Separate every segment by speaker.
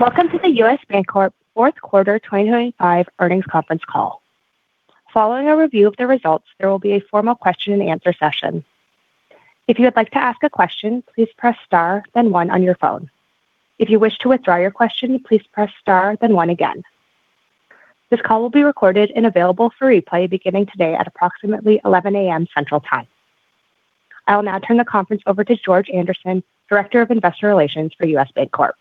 Speaker 1: Welcome to the U.S. Bancorp Fourth Quarter 2025 Earnings Conference call. Following a review of the results, there will be a formal question-and-answer session. If you would like to ask a question, please press star, then one on your phone. If you wish to withdraw your question, please press star, then one again. This call will be recorded and available for replay beginning today at approximately 11:00 A.M. Central Time. I will now turn the conference over to George Andersen, Director of Investor Relations for U.S. Bancorp.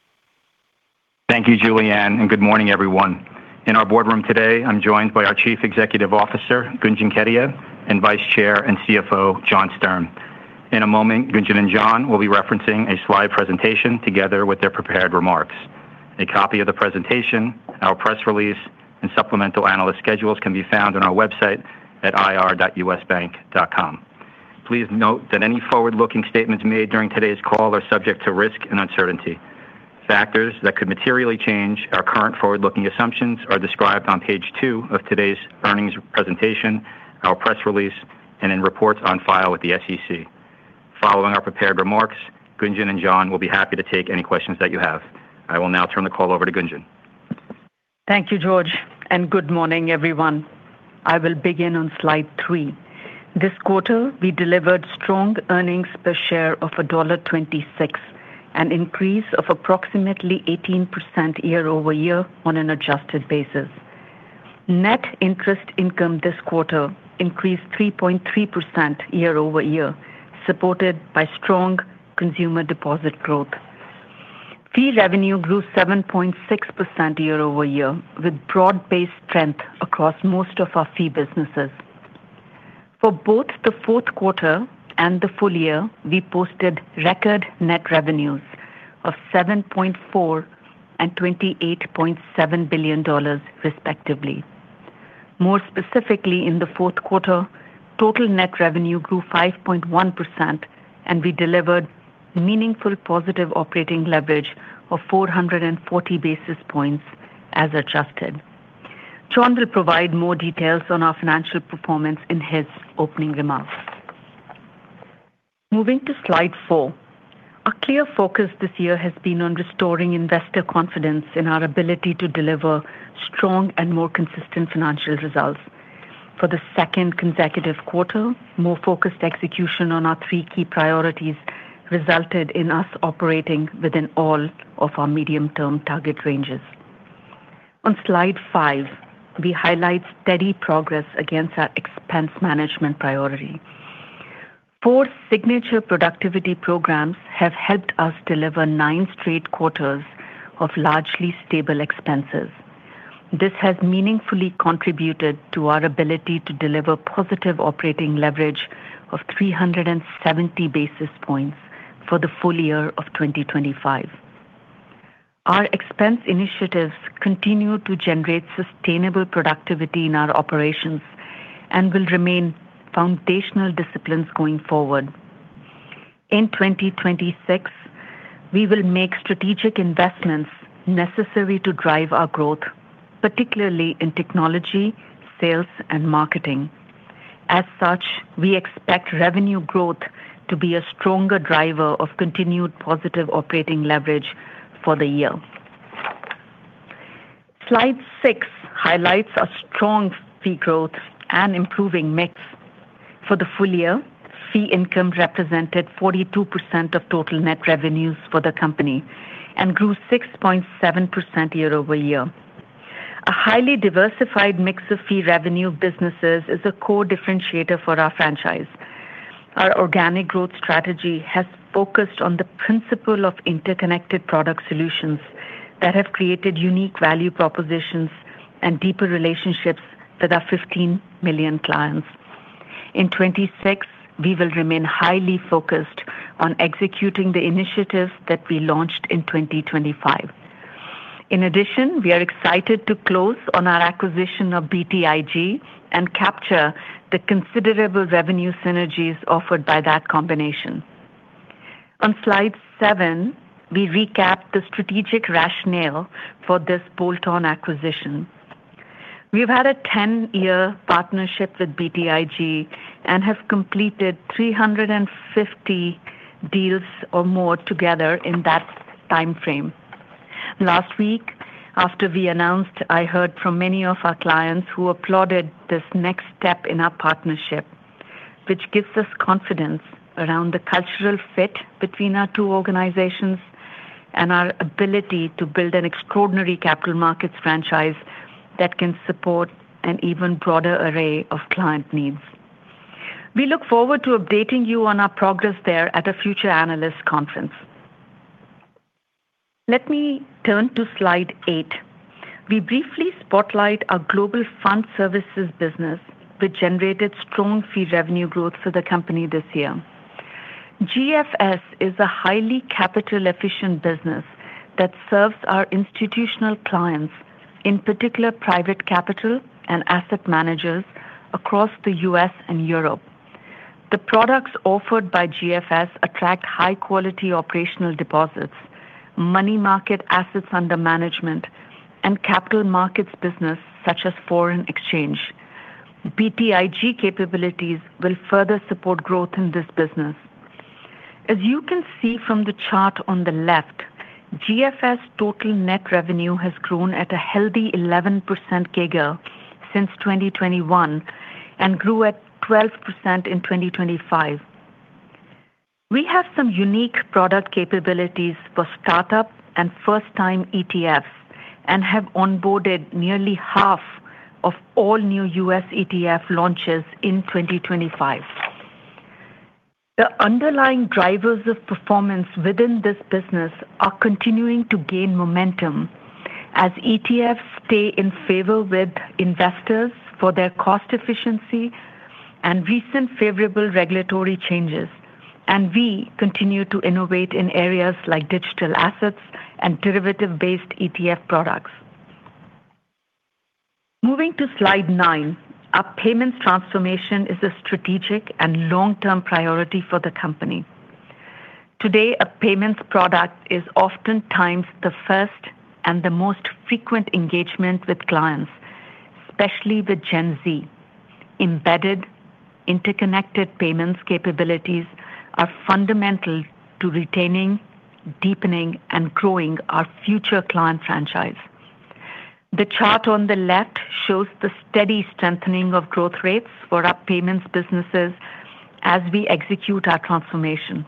Speaker 2: Thank you, Julianne, and good morning, everyone. In our boardroom today, I'm joined by our Chief Executive Officer, Gunjan Kedia, and Vice Chair and CFO, John Stern. In a moment, Gunjan and John will be referencing a slide presentation together with their prepared remarks. A copy of the presentation, our press release, and supplemental analyst schedules can be found on our website at ir.usbank.com. Please note that any forward-looking statements made during today's call are subject to risk and uncertainty. Factors that could materially change our current forward-looking assumptions are described on Page two of today's earnings presentation, our press release, and in reports on file with the SEC. Following our prepared remarks, Gunjan and John will be happy to take any questions that you have. I will now turn the call over to Gunjan.
Speaker 3: Thank you, George, and good morning, everyone. I will begin on Slide three. This quarter, we delivered strong earnings per share of $1.26, an increase of approximately 18% year-over-year on an adjusted basis. Net interest income this quarter increased 3.3% year-over-year, supported by strong consumer deposit growth. Fee revenue grew 7.6% year-over-year, with broad-based strength across most of our fee businesses. For both the fourth quarter and the full year, we posted record net revenues of $7.4 billion and $28.7 billion, respectively. More specifically, in the fourth quarter, total net revenue grew 5.1%, and we delivered meaningful positive operating leverage of 440 basis points as adjusted. John will provide more details on our financial performance in his opening remarks. Moving to Slide four, our clear focus this year has been on restoring investor confidence in our ability to deliver strong and more consistent financial results. For the second consecutive quarter, more focused execution on our three key priorities resulted in us operating within all of our medium-term target ranges. On Slide five, we highlight steady progress against our expense management priority. Four signature productivity programs have helped us deliver nine straight quarters of largely stable expenses. This has meaningfully contributed to our ability to deliver positive operating leverage of 370 basis points for the full year of 2025. Our expense initiatives continue to generate sustainable productivity in our operations and will remain foundational disciplines going forward. In 2026, we will make strategic investments necessary to drive our growth, particularly in technology, sales, and marketing. As such, we expect revenue growth to be a stronger driver of continued positive operating leverage for the year. Slide six highlights our strong fee growth and improving mix for the full year. Fee income represented 42% of total net revenues for the company and grew 6.7% year-over-year. A highly diversified mix of fee revenue businesses is a core differentiator for our franchise. Our organic growth strategy has focused on the principle of interconnected product solutions that have created unique value propositions and deeper relationships with our 15 million clients. In 2026, we will remain highly focused on executing the initiatives that we launched in 2025. In addition, we are excited to close on our acquisition of BTIG and capture the considerable revenue synergies offered by that combination. On Slide 7, we recap the strategic rationale for this bolt-on acquisition. We have had a 10-year partnership with BTIG and have completed 350 deals or more together in that time frame. Last week, after we announced, I heard from many of our clients who applauded this next step in our partnership, which gives us confidence around the cultural fit between our two organizations and our ability to build an extraordinary capital markets franchise that can support an even broader array of client needs. We look forward to updating you on our progress there at a future analyst conference. Let me turn to Slide eight. We briefly spotlight our Global Fund Services business, which generated strong fee revenue growth for the company this year. GFS is a highly capital-efficient business that serves our institutional clients, in particular private capital and asset managers across the U.S. and Europe. The products offered by GFS attract high-quality operational deposits, money market assets under management, and capital markets business such as foreign exchange. BTIG capabilities will further support growth in this business. As you can see from the chart on the left, GFS' total net revenue has grown at a healthy 11% CAGR since 2021 and grew at 12% in 2025. We have some unique product capabilities for startup and first-time ETFs and have onboarded nearly half of all new U.S. ETF launches in 2025. The underlying drivers of performance within this business are continuing to gain momentum as ETFs stay in favor with investors for their cost efficiency and recent favorable regulatory changes, and we continue to innovate in areas like digital assets and derivative-based ETF products. Moving to Slide nine, our payments transformation is a strategic and long-term priority for the company. Today, a payments product is oftentimes the first and the most frequent engagement with clients, especially with Gen Z. Embedded, interconnected payments capabilities are fundamental to retaining, deepening, and growing our future client franchise. The chart on the left shows the steady strengthening of growth rates for our payments businesses as we execute our transformation.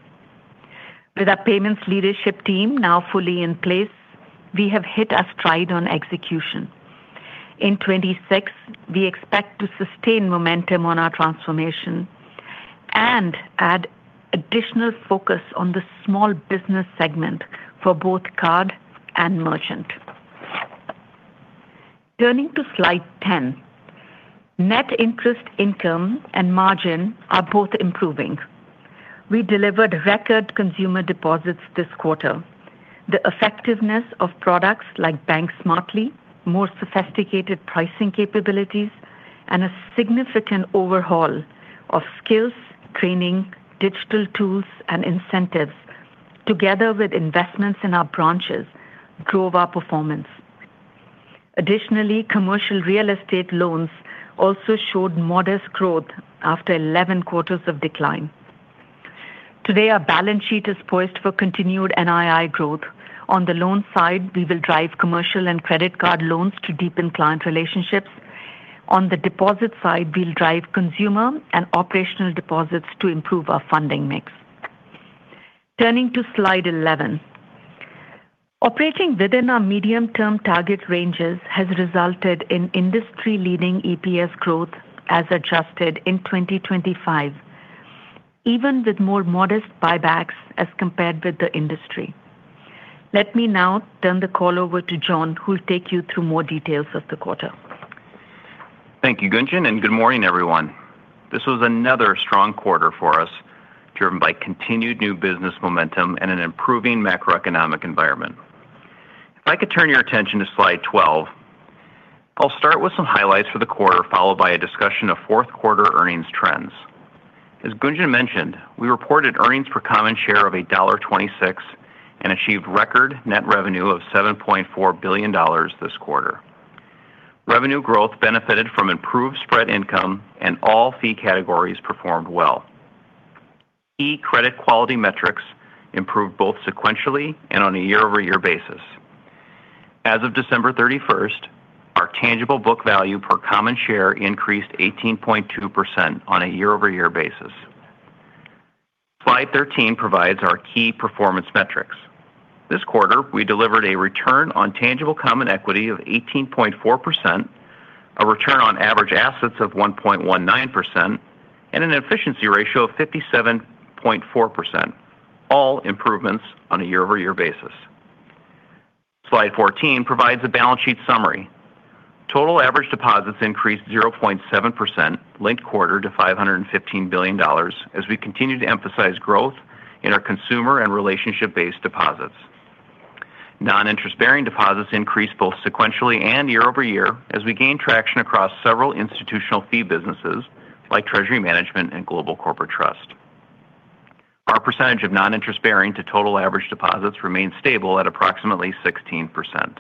Speaker 3: With our payments leadership team now fully in place, we have hit a stride on execution. In 2026, we expect to sustain momentum on our transformation and add additional focus on the small business segment for both card and merchant. Turning to Slide 10, net interest income and margin are both improving. We delivered record consumer deposits this quarter. The effectiveness of products like Bank Smartly, more sophisticated pricing capabilities, and a significant overhaul of skills, training, digital tools, and incentives, together with investments in our branches, drove our performance. Additionally, commercial real estate loans also showed modest growth after 11 quarters of decline. Today, our balance sheet is poised for continued NII growth. On the loan side, we will drive commercial and credit card loans to deepen client relationships. On the deposit side, we'll drive consumer and operational deposits to improve our funding mix. Turning to Slide 11, operating within our medium-term target ranges has resulted in industry-leading EPS growth as adjusted in 2025, even with more modest buybacks as compared with the industry. Let me now turn the call over to John, who will take you through more details of the quarter.
Speaker 4: Thank you, Gunjan, and good morning, everyone. This was another strong quarter for us, driven by continued new business momentum and an improving macroeconomic environment. If I could turn your attention to Slide 12, I'll start with some highlights for the quarter, followed by a discussion of fourth quarter earnings trends. As Gunjan mentioned, we reported earnings per common share of $1.26 and achieved record net revenue of $7.4 billion this quarter. Revenue growth benefited from improved spread income, and all fee categories performed well. Our credit quality metrics improved both sequentially and on a year-over-year basis. As of December 31st, our tangible book value per common share increased 18.2% on a year-over-year basis. Slide 13 provides our key performance metrics. This quarter, we delivered a return on tangible common equity of 18.4%, a return on average assets of 1.19%, and an efficiency ratio of 57.4%, all improvements on a year-over-year basis. Slide 14 provides a balance sheet summary. Total average deposits increased 0.7%, linked quarter, to $515 billion, as we continue to emphasize growth in our consumer and relationship-based deposits. Non-interest-bearing deposits increased both sequentially and year-over-year as we gained traction across several institutional fee businesses like Treasury Management and Global Corporate Trust. Our percentage of non-interest-bearing to total average deposits remained stable at approximately 16%.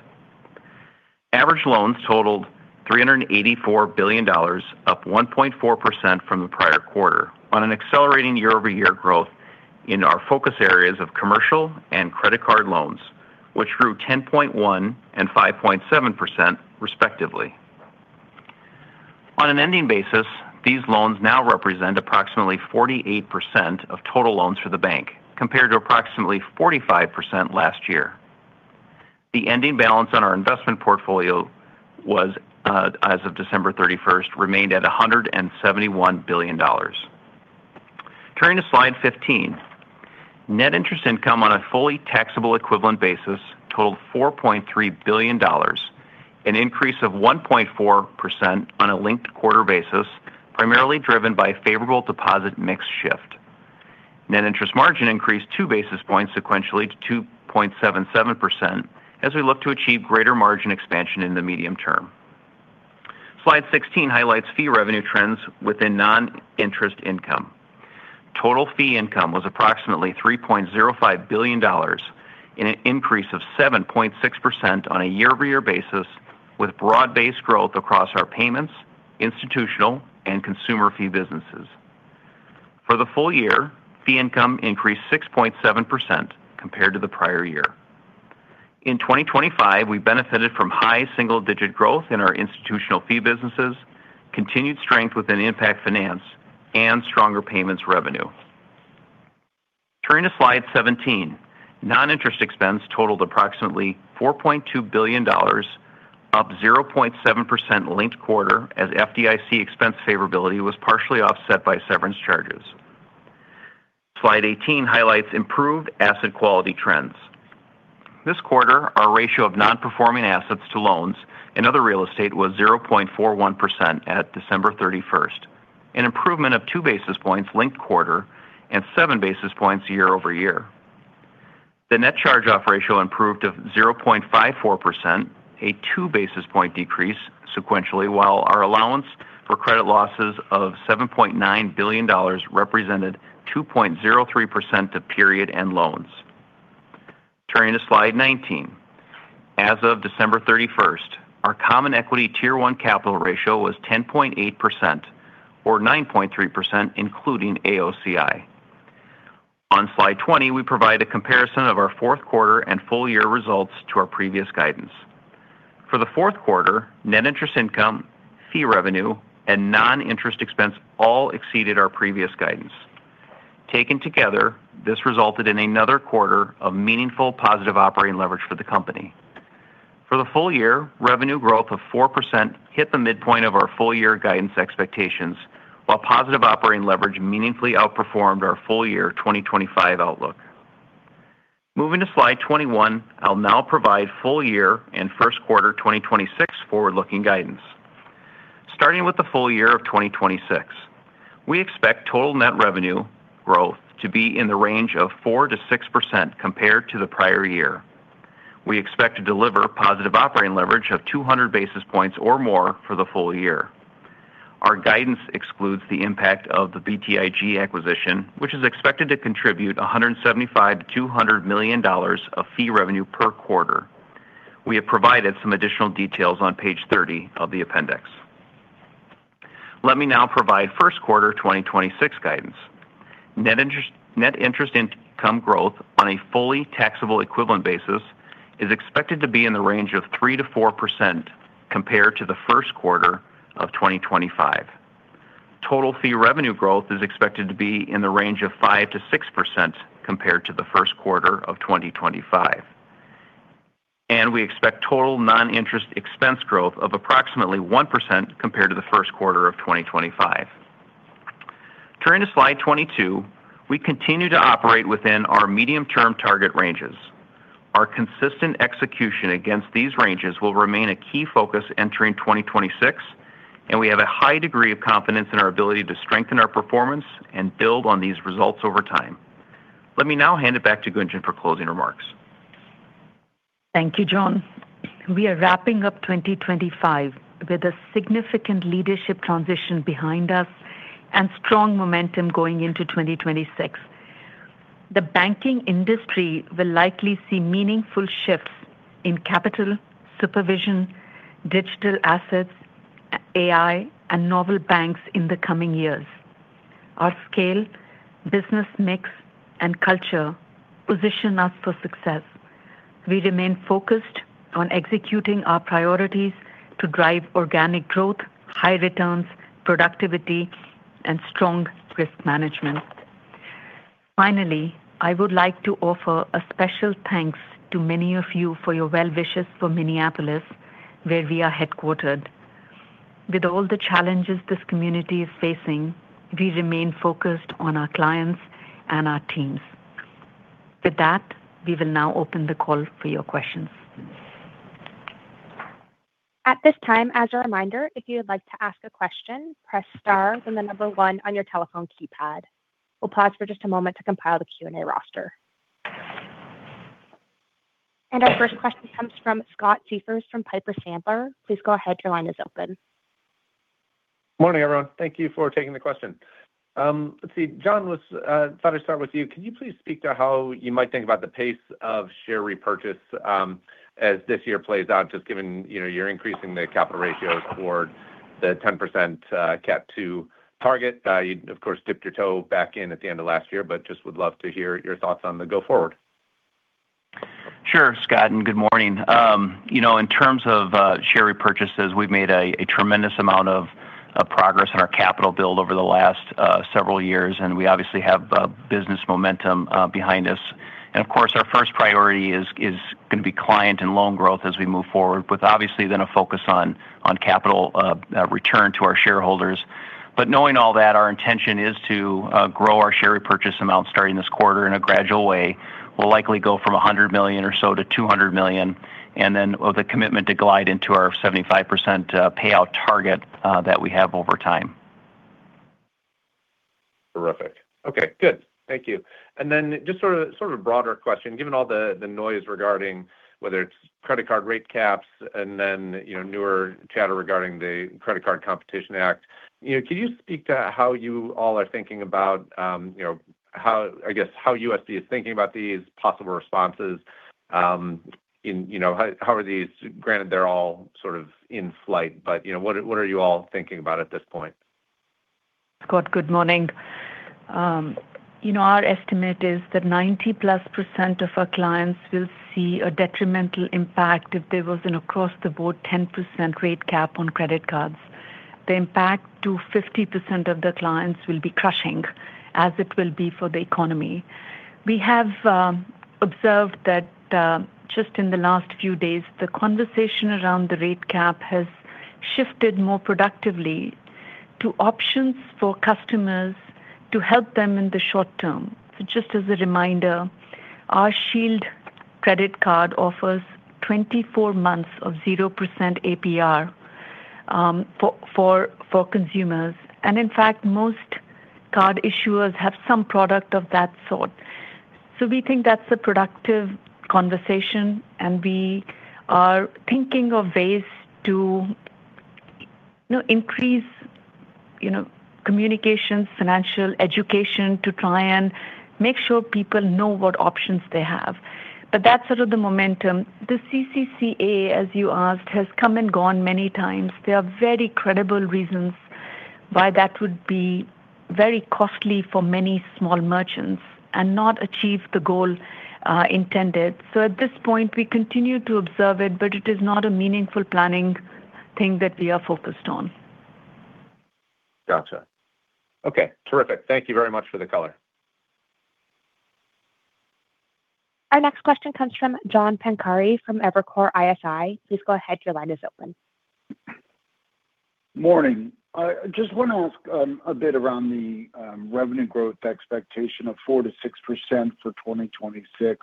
Speaker 4: Average loans totaled $384 billion, up 1.4% from the prior quarter, on an accelerating year-over-year growth in our focus areas of commercial and credit card loans, which grew 10.1% and 5.7%, respectively. On an ending basis, these loans now represent approximately 48% of total loans for the bank, compared to approximately 45% last year. The ending balance on our investment portfolio as of December 31st remained at $171 billion. Turning to Slide 15, net interest income on a fully taxable equivalent basis totaled $4.3 billion, an increase of 1.4% on a linked quarter basis, primarily driven by a favorable deposit mix shift. Net interest margin increased two basis points sequentially to 2.77% as we look to achieve greater margin expansion in the medium term. Slide 16 highlights fee revenue trends within non-interest income. Total fee income was approximately $3.05 billion, an increase of 7.6% on a year-over-year basis, with broad-based growth across our payments, institutional, and consumer fee businesses. For the full year, fee income increased 6.7% compared to the prior year. In 2025, we benefited from high single-digit growth in our institutional fee businesses, continued strength within Impact Finance, and stronger payments revenue. Turning to Slide 17, non-interest expense totaled approximately $4.2 billion, up 0.7% linked quarter as FDIC expense favorability was partially offset by severance charges. Slide 18 highlights improved asset quality trends. This quarter, our ratio of non-performing assets to loans and other real estate was 0.41% at December 31st, an improvement of two basis points linked quarter and seven basis points year-over-year. The net charge-off ratio improved to 0.54%, a two basis point decrease sequentially, while our allowance for credit losses of $7.9 billion represented 2.03% of period-end loans. Turning to Slide 19, as of December 31st, our Common Equity Tier 1 capital ratio was 10.8% or 9.3%, including AOCI. On Slide 20, we provide a comparison of our fourth quarter and full year results to our previous guidance. For the fourth quarter, net interest income, fee revenue, and non-interest expense all exceeded our previous guidance. Taken together, this resulted in another quarter of meaningful positive operating leverage for the company. For the full year, revenue growth of 4% hit the midpoint of our full year guidance expectations, while positive operating leverage meaningfully outperformed our full year 2025 outlook. Moving to Slide 21, I'll now provide full year and first quarter 2026 forward-looking guidance. Starting with the full year of 2026, we expect total net revenue growth to be in the range of 4%-6% compared to the prior year. We expect to deliver positive operating leverage of 200 basis points or more for the full year. Our guidance excludes the impact of the BTIG acquisition, which is expected to contribute $175 million-$200 million of fee revenue per quarter. We have provided some additional details on Page 30 of the appendix. Let me now provide first quarter 2026 guidance. Net interest income growth on a fully taxable equivalent basis is expected to be in the range of 3%-4% compared to the first quarter of 2025. Total fee revenue growth is expected to be in the range of 5%-6% compared to the first quarter of 2025. We expect total non-interest expense growth of approximately 1% compared to the first quarter of 2025. Turning to Slide 22, we continue to operate within our medium-term target ranges. Our consistent execution against these ranges will remain a key focus entering 2026, and we have a high degree of confidence in our ability to strengthen our performance and build on these results over time. Let me now hand it back to Gunjan for closing remarks.
Speaker 3: Thank you, John. We are wrapping up 2025 with a significant leadership transition behind us and strong momentum going into 2026. The banking industry will likely see meaningful shifts in capital, supervision, digital assets, AI, and novel banks in the coming years. Our scale, business mix, and culture position us for success. We remain focused on executing our priorities to drive organic growth, high returns, productivity, and strong risk management. Finally, I would like to offer a special thanks to many of you for your well wishes for Minneapolis, where we are headquartered. With all the challenges this community is facing, we remain focused on our clients and our teams. With that, we will now open the call for your questions.
Speaker 1: At this time, as a reminder, if you would like to ask a question, press star then the number one on your telephone keypad. We'll pause for just a moment to compile the Q&A roster. And our first question comes from Scott Siefers from Piper Sandler. Please go ahead. Your line is open.
Speaker 5: Morning, everyone. Thank you for taking the question. Let's see. John, I thought I'd start with you. Could you please speak to how you might think about the pace of share repurchase as this year plays out, just given you're increasing the capital ratios toward the 10% CET1 target? You, of course, dipped your toe back in at the end of last year, but just would love to hear your thoughts on the go forward.
Speaker 4: Sure, Scott, and good morning. In terms of share repurchases, we've made a tremendous amount of progress in our capital build over the last several years, and we obviously have business momentum behind us. And of course, our first priority is going to be client and loan growth as we move forward, with obviously then a focus on capital return to our shareholders. But knowing all that, our intention is to grow our share repurchase amount starting this quarter in a gradual way. We'll likely go from $100 million or so to $200 million, and then with a commitment to glide into our 75% payout target that we have over time.
Speaker 5: Terrific. Okay, good. Thank you. And then just sort of a broader question, given all the noise regarding whether it's credit card rate caps and then newer chatter regarding the Credit Card Competition Act, could you speak to how you all are thinking about, I guess, how U.S. Bancorp is thinking about these possible responses? How are these? Granted, they're all sort of in flight, but what are you all thinking about at this point?
Speaker 3: Scott, good morning. Our estimate is that 90%+ of our clients will see a detrimental impact if there was an across-the-board 10% rate cap on credit cards. The impact to 50% of the clients will be crushing, as it will be for the economy. We have observed that just in the last few days, the conversation around the rate cap has shifted more productively to options for customers to help them in the short term. Just as a reminder, our Shield credit card offers 24 months of 0% APR for consumers, and in fact, most card issuers have some product of that sort, so we think that's a productive conversation, and we are thinking of ways to increase communications, financial education to try and make sure people know what options they have, but that's sort of the momentum. The CCCA, as you asked, has come and gone many times. There are very credible reasons why that would be very costly for many small merchants and not achieve the goal intended, so at this point, we continue to observe it, but it is not a meaningful planning thing that we are focused on.
Speaker 5: Gotcha. Okay, terrific. Thank you very much for the color.
Speaker 1: Our next question comes from John Pancari from Evercore ISI. Please go ahead. Your line is open.
Speaker 6: Morning. Just want to ask a bit around the revenue growth expectation of 4%-6% for 2026.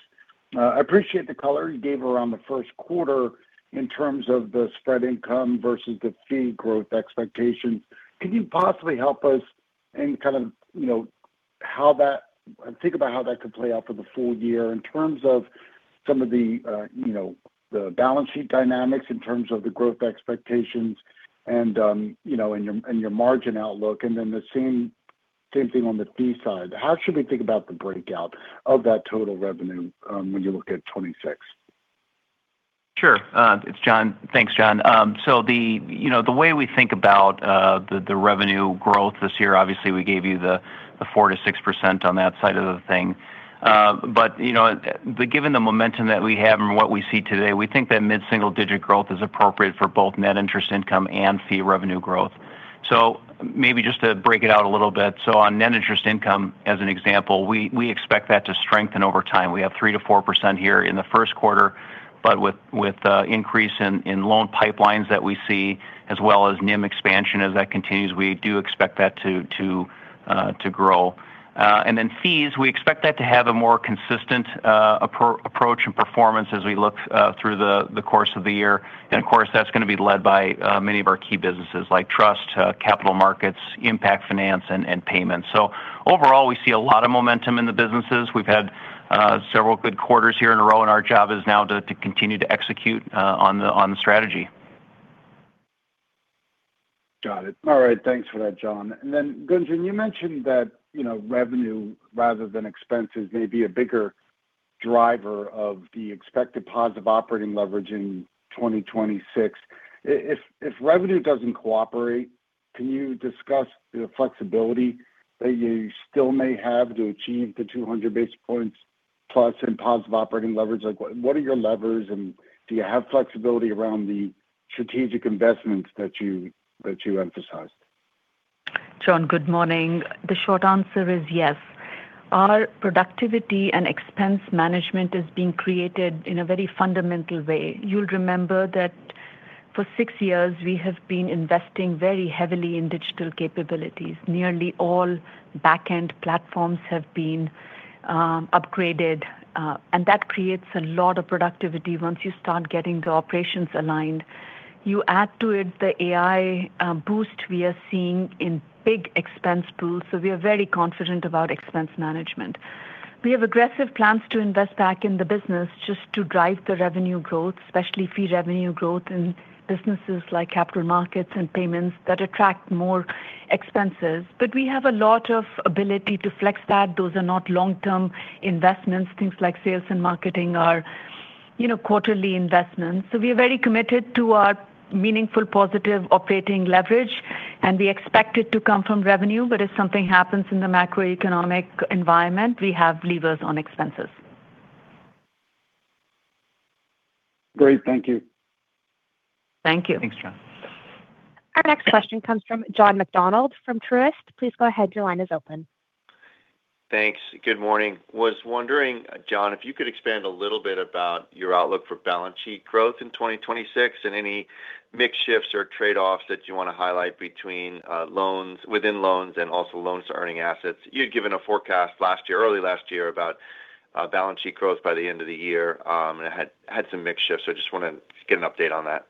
Speaker 6: I appreciate the color you gave around the first quarter in terms of the spread income versus the fee growth expectations. Can you possibly help us kind of how to think about how that could play out for the full year in terms of some of the balance sheet dynamics in terms of the growth expectations and your margin outlook, and then the same thing on the fee side? How should we think about the breakout of that total revenue when you look at 2026?
Speaker 4: Sure. It's John. Thanks, John. So the way we think about the revenue growth this year, obviously, we gave you the 4%-6% on that side of the thing. But given the momentum that we have and what we see today, we think that mid-single-digit growth is appropriate for both net interest income and fee revenue growth. So maybe just to break it out a little bit. So on net interest income, as an example, we expect that to strengthen over time. We have 3%-4% here in the first quarter, but with increase in loan pipelines that we see, as well as NIM expansion as that continues, we do expect that to grow. And then fees, we expect that to have a more consistent approach and performance as we look through the course of the year. And of course, that's going to be led by many of our key businesses like Trust, Capital Markets, Impact Finance, and Payments. So overall, we see a lot of momentum in the businesses. We've had several good quarters here in a row, and our job is now to continue to execute on the strategy.
Speaker 6: Got it. All right. Thanks for that, John. And then, Gunjan, you mentioned that revenue, rather than expenses, may be a bigger driver of the expected positive operating leverage in 2026. If revenue doesn't cooperate, can you discuss the flexibility that you still may have to achieve the 200 basis points plus in positive operating leverage? What are your levers, and do you have flexibility around the strategic investments that you emphasized?
Speaker 3: John, good morning. The short answer is yes. Our productivity and expense management is being created in a very fundamental way. You'll remember that for six years, we have been investing very heavily in digital capabilities. Nearly all back-end platforms have been upgraded, and that creates a lot of productivity once you start getting the operations aligned. You add to it the AI boost we are seeing in big expense pools, so we are very confident about expense management. We have aggressive plans to invest back in the business just to drive the revenue growth, especially fee revenue growth in businesses like capital markets and payments that attract more expenses. But we have a lot of ability to flex that. Those are not long-term investments. Things like sales and marketing are quarterly investments. We are very committed to our meaningful positive operating leverage, and we expect it to come from revenue. If something happens in the macroeconomic environment, we have levers on expenses.
Speaker 6: Great. Thank you.
Speaker 3: Thank you.
Speaker 4: Thanks, John.
Speaker 1: Our next question comes from John McDonald from Truist. Please go ahead. Your line is open.
Speaker 7: Thanks. Good morning. Was wondering, John, if you could expand a little bit about your outlook for balance sheet growth in 2026 and any mix shifts or trade-offs that you want to highlight between loans within loans and also loans to earning assets. You had given a forecast last year, early last year, about balance sheet growth by the end of the year and had some mix shifts. So I just want to get an update on that.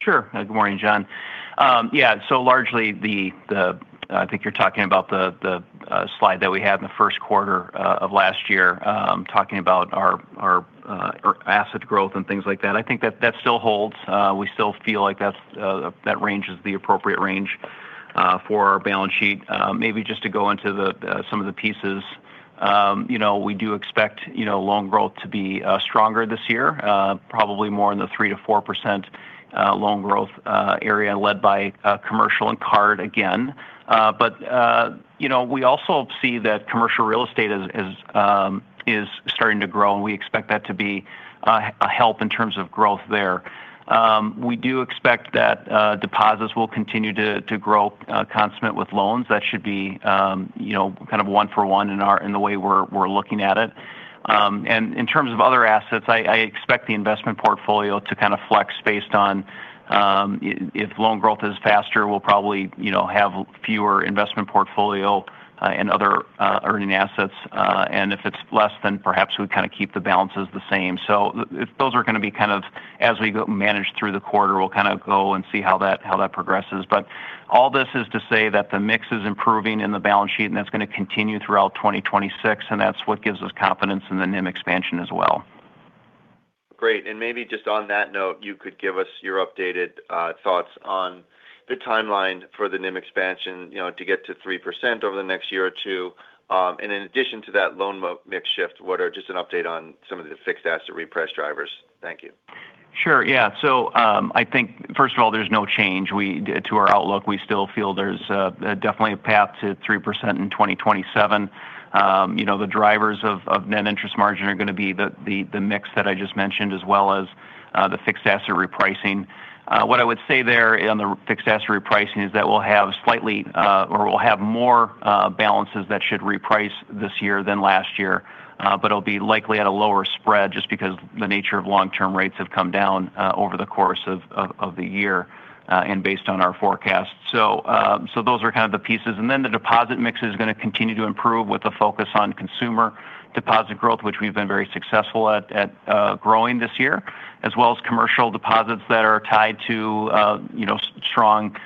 Speaker 4: Sure. Good morning, John. Yeah. So largely, I think you're talking about the slide that we had in the first quarter of last year talking about our asset growth and things like that. I think that still holds. We still feel like that range is the appropriate range for our balance sheet. Maybe just to go into some of the pieces, we do expect loan growth to be stronger this year, probably more in the 3%-4% loan growth area led by commercial and card again. But we also see that commercial real estate is starting to grow, and we expect that to be a help in terms of growth there. We do expect that deposits will continue to grow commensurate with loans. That should be kind of one-for-one in the way we're looking at it. In terms of other assets, I expect the investment portfolio to kind of flex based on if loan growth is faster. We'll probably have fewer investment portfolio and other earning assets. And if it's less, then perhaps we kind of keep the balances the same. So those are going to be kind of, as we manage through the quarter, we'll kind of go and see how that progresses. But all this is to say that the mix is improving in the balance sheet, and that's going to continue throughout 2026, and that's what gives us confidence in the NIM expansion as well.
Speaker 7: Great. And maybe just on that note, you could give us your updated thoughts on the timeline for the NIM expansion to get to 3% over the next year or two. And in addition to that loan mix shift, what are just an update on some of the fixed asset reprice drivers? Thank you.
Speaker 4: Sure. Yeah. So I think, first of all, there's no change to our outlook. We still feel there's definitely a path to 3% in 2027. The drivers of net interest margin are going to be the mix that I just mentioned, as well as the fixed asset repricing. What I would say there on the fixed asset repricing is that we'll have more balances that should reprice this year than last year, but it'll be likely at a lower spread just because the nature of long-term rates have come down over the course of the year and based on our forecast. So those are kind of the pieces. And then the deposit mix is going to continue to improve with a focus on consumer deposit growth, which we've been very successful at growing this year, as well as commercial deposits that are tied to strong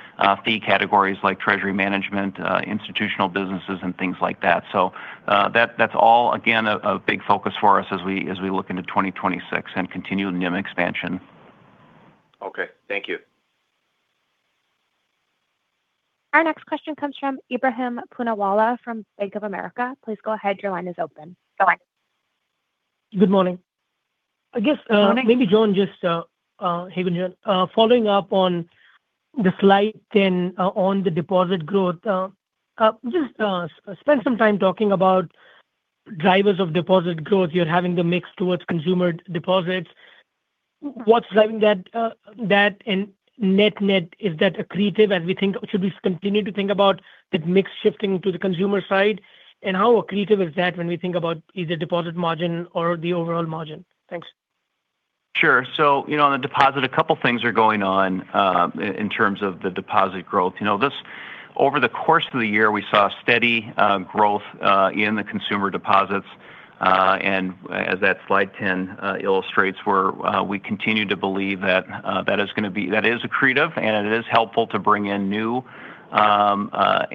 Speaker 4: fee categories like Treasury Management, institutional businesses, and things like that. So that's all, again, a big focus for us as we look into 2026 and continue NIM expansion.
Speaker 7: Okay. Thank you.
Speaker 1: Our next question comes from Ebrahim Poonawala from Bank of America. Please go ahead. Your line is open.
Speaker 8: Good morning. I guess maybe John just, hey Gunjan, following up on the slight thing on the deposit growth, just spend some time talking about drivers of deposit growth. You're having the mix towards consumer deposits. What's driving that? And net net, is that accretive as we think should we continue to think about that mix shifting to the consumer side? And how accretive is that when we think about either deposit margin or the overall margin? Thanks.
Speaker 4: Sure. So on the deposit, a couple of things are going on in terms of the deposit growth. Over the course of the year, we saw steady growth in the consumer deposits. And as that Slide 10 illustrates, we continue to believe that is going to be accretive, and it is helpful to bring in new accounts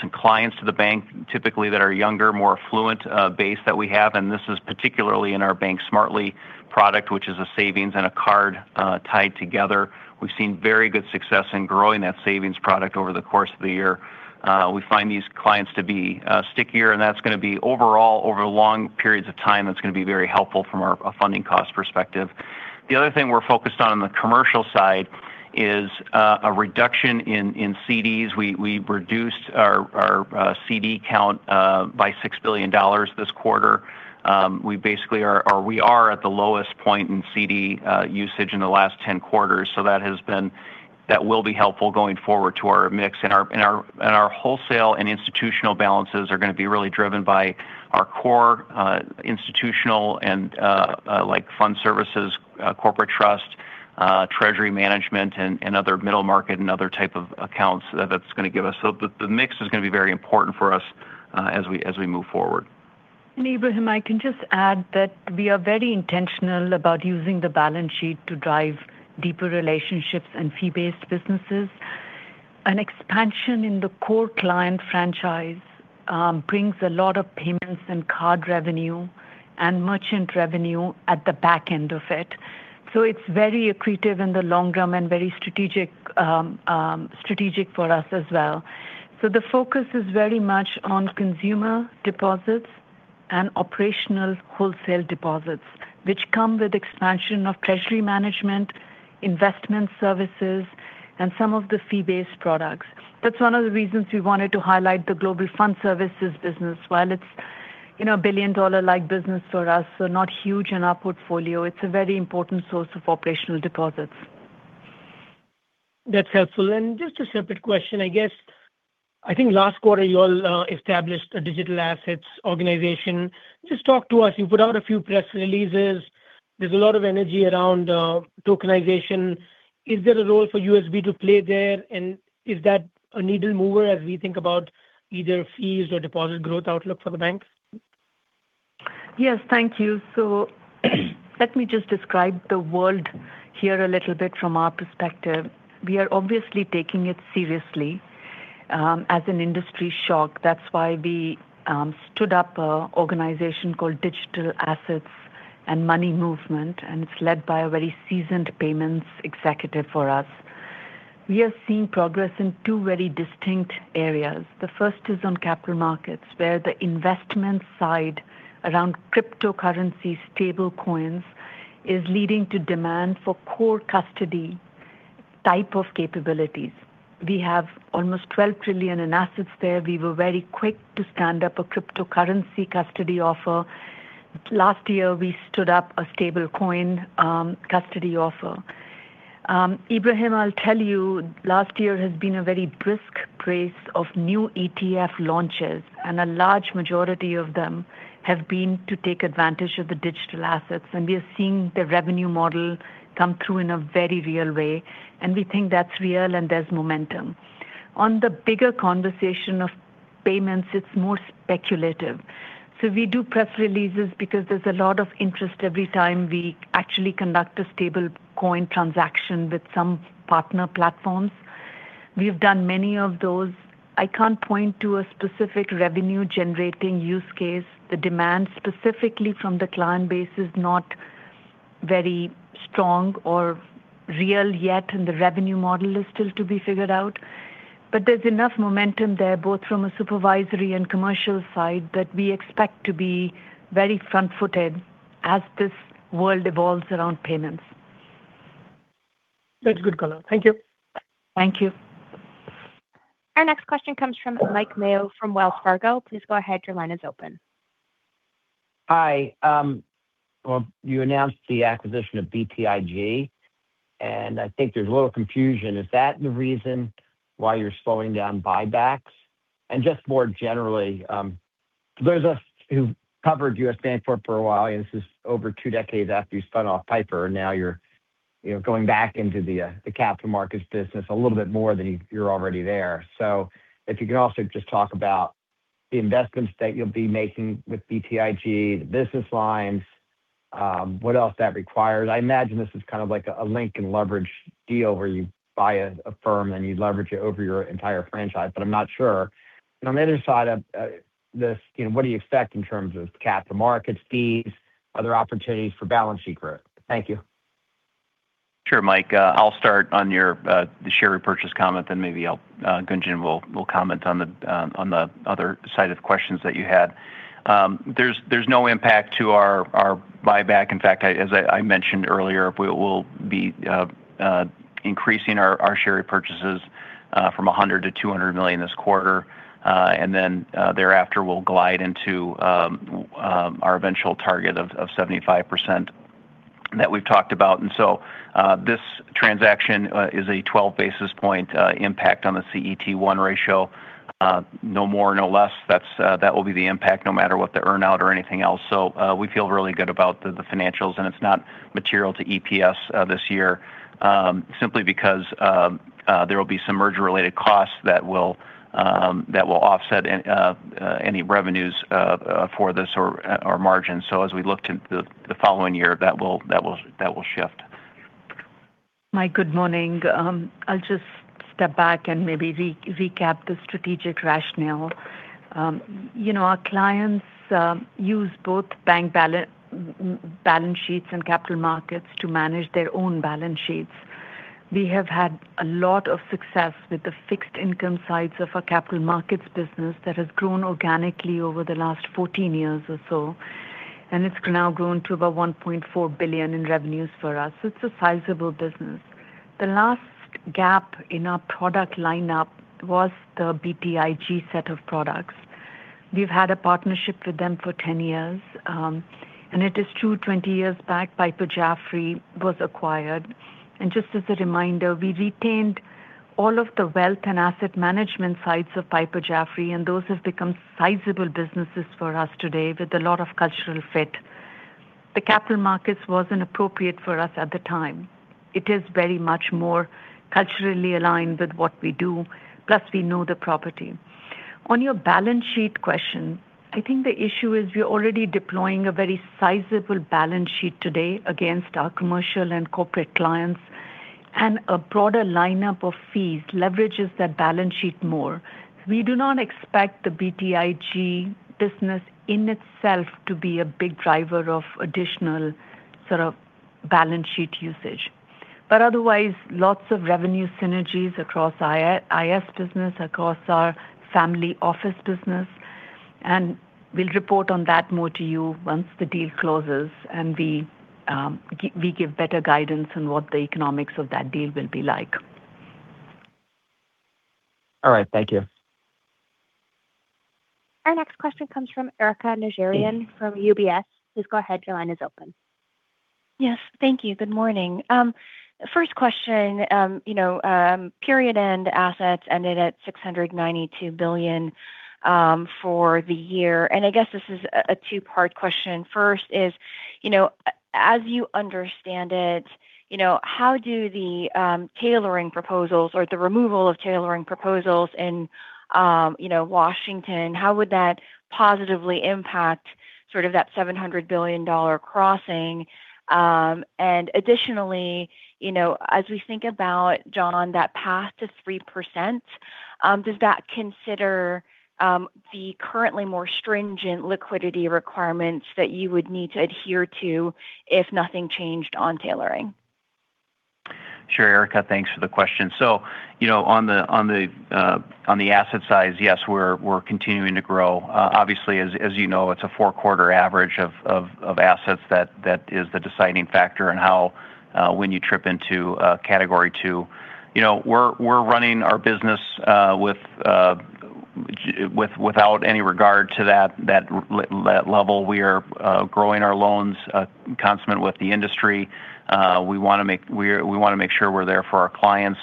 Speaker 4: and clients to the bank, typically that are younger, more affluent base that we have. And this is particularly in our Bank Smartly product, which is a savings and a card tied together. We've seen very good success in growing that savings product over the course of the year. We find these clients to be stickier, and that's going to be overall, over long periods of time, that's going to be very helpful from a funding cost perspective. The other thing we're focused on on the commercial side is a reduction in CDs. We reduced our CD count by $6 billion this quarter. We basically are at the lowest point in CD usage in the last 10 quarters. So that will be helpful going forward to our mix. And our wholesale and institutional balances are going to be really driven by our core institutional and like Fund Services, Corporate Trust, Treasury Management, and other middle market and other type of accounts that's going to give us. So the mix is going to be very important for us as we move forward.
Speaker 3: Ebrahim, I can just add that we are very intentional about using the balance sheet to drive deeper relationships and fee-based businesses. An expansion in the core client franchise brings a lot of payments and card revenue and merchant revenue at the back end of it. It's very accretive in the long run and very strategic for us as well. The focus is very much on consumer deposits and operational wholesale deposits, which come with expansion of Treasury Management, investment services, and some of the fee-based products. That's one of the reasons we wanted to highlight the Global Fund Services business. While it's a billion-dollar-like business for us, so not huge in our portfolio, it's a very important source of operational deposits.
Speaker 8: That's helpful. And just a separate question, I guess. I think last quarter, you all established a digital assets organization. Just talk to us. You put out a few press releases. There's a lot of energy around tokenization. Is there a role for USB to play there? And is that a needle mover as we think about either fees or deposit growth outlook for the bank?
Speaker 3: Yes. Thank you. So let me just describe the world here a little bit from our perspective. We are obviously taking it seriously as an industry shock. That's why we stood up an organization called Digital Assets and Money Movement, and it's led by a very seasoned payments executive for us. We are seeing progress in two very distinct areas. The first is on capital markets, where the investment side around cryptocurrency, stablecoins, is leading to demand for core custody type of capabilities. We have almost $12 trillion in assets there. We were very quick to stand up a cryptocurrency custody offer. Last year, we stood up a stablecoin custody offer. Ebrahim, I'll tell you, last year has been a very brisk pace of new ETF launches, and a large majority of them have been to take advantage of the digital assets. We are seeing the revenue model come through in a very real way. We think that's real, and there's momentum. On the bigger conversation of payments, it's more speculative. So we do press releases because there's a lot of interest every time we actually conduct a stablecoin transaction with some partner platforms. We've done many of those. I can't point to a specific revenue-generating use case. The demand specifically from the client base is not very strong or real yet, and the revenue model is still to be figured out. But there's enough momentum there, both from a supervisory and commercial side, that we expect to be very front-footed as this world evolves around payments.
Speaker 8: That's good, Gunjan. Thank you.
Speaker 3: Thank you.
Speaker 1: Our next question comes from Mike Mayo from Wells Fargo. Please go ahead. Your line is open.
Speaker 9: Hi. Well, you announced the acquisition of BTIG, and I think there's a little confusion. Is that the reason why you're slowing down buybacks? And just more generally, those of us who covered U.S. Bank for a while, and this is over two decades after you spun off Piper, and now you're going back into the capital markets business a little bit more than you're already there. So if you can also just talk about the investments that you'll be making with BTIG, the business lines, what else that requires. I imagine this is kind of like a link and leverage deal where you buy a firm and you leverage it over your entire franchise, but I'm not sure. And on the other side of this, what do you expect in terms of capital markets, fees, other opportunities for balance sheet growth? Thank you.
Speaker 4: Sure, Mike. I'll start on your share repurchase comment, then maybe Gunjan will comment on the other side of questions that you had. There's no impact to our buyback. In fact, as I mentioned earlier, we'll be increasing our share repurchases from $100 million-$200 million this quarter. Then thereafter, we'll glide into our eventual target of 75% that we've talked about. So this transaction is a 12 basis point impact on the CET1 ratio. No more, no less. That will be the impact no matter what the earnout or anything else. We feel really good about the financials, and it's not material to EPS this year simply because there will be some merger-related costs that will offset any revenues for this or margin. As we look to the following year, that will shift.
Speaker 3: Mike, good morning. I'll just step back and maybe recap the strategic rationale. Our clients use both bank balance sheets and capital markets to manage their own balance sheets. We have had a lot of success with the fixed income sides of our capital markets business that has grown organically over the last 14 years or so. And it's now grown to about $1.4 billion in revenues for us. It's a sizable business. The last gap in our product lineup was the BTIG set of products. We've had a partnership with them for 10 years. And it is true, 20 years back, Piper Jaffray was acquired. And just as a reminder, we retained all of the wealth and asset management sides of Piper Jaffray, and those have become sizable businesses for us today with a lot of cultural fit. The capital markets wasn't appropriate for us at the time. It is very much more culturally aligned with what we do, plus we know the property. On your balance sheet question, I think the issue is we're already deploying a very sizable balance sheet today against our commercial and corporate clients, and a broader lineup of fees leverages that balance sheet more. We do not expect the BTIG business in itself to be a big driver of additional sort of balance sheet usage, but otherwise, lots of revenue synergies across IS business, across our family office business, and we'll report on that more to you once the deal closes, and we give better guidance on what the economics of that deal will be like.
Speaker 9: All right. Thank you.
Speaker 1: Our next question comes from Erika Najarian from UBS. Please go ahead. Your line is open.
Speaker 10: Yes. Thank you. Good morning. First question, period-end assets ended at $692 billion for the year. And I guess this is a two-part question. First is, as you understand it, how do the tailoring proposals or the removal of tailoring proposals in Washington, how would that positively impact sort of that $700 billion crossing? And additionally, as we think about, John, that path to 3%, does that consider the currently more stringent liquidity requirements that you would need to adhere to if nothing changed on tailoring?
Speaker 4: Sure, Erica. Thanks for the question. So on the asset side, yes, we're continuing to grow. Obviously, as you know, it's a four-quarter average of assets that is the deciding factor in how, when you trip into Category II. We're running our business without any regard to that level. We are growing our loans consistent with the industry. We want to make sure we're there for our clients.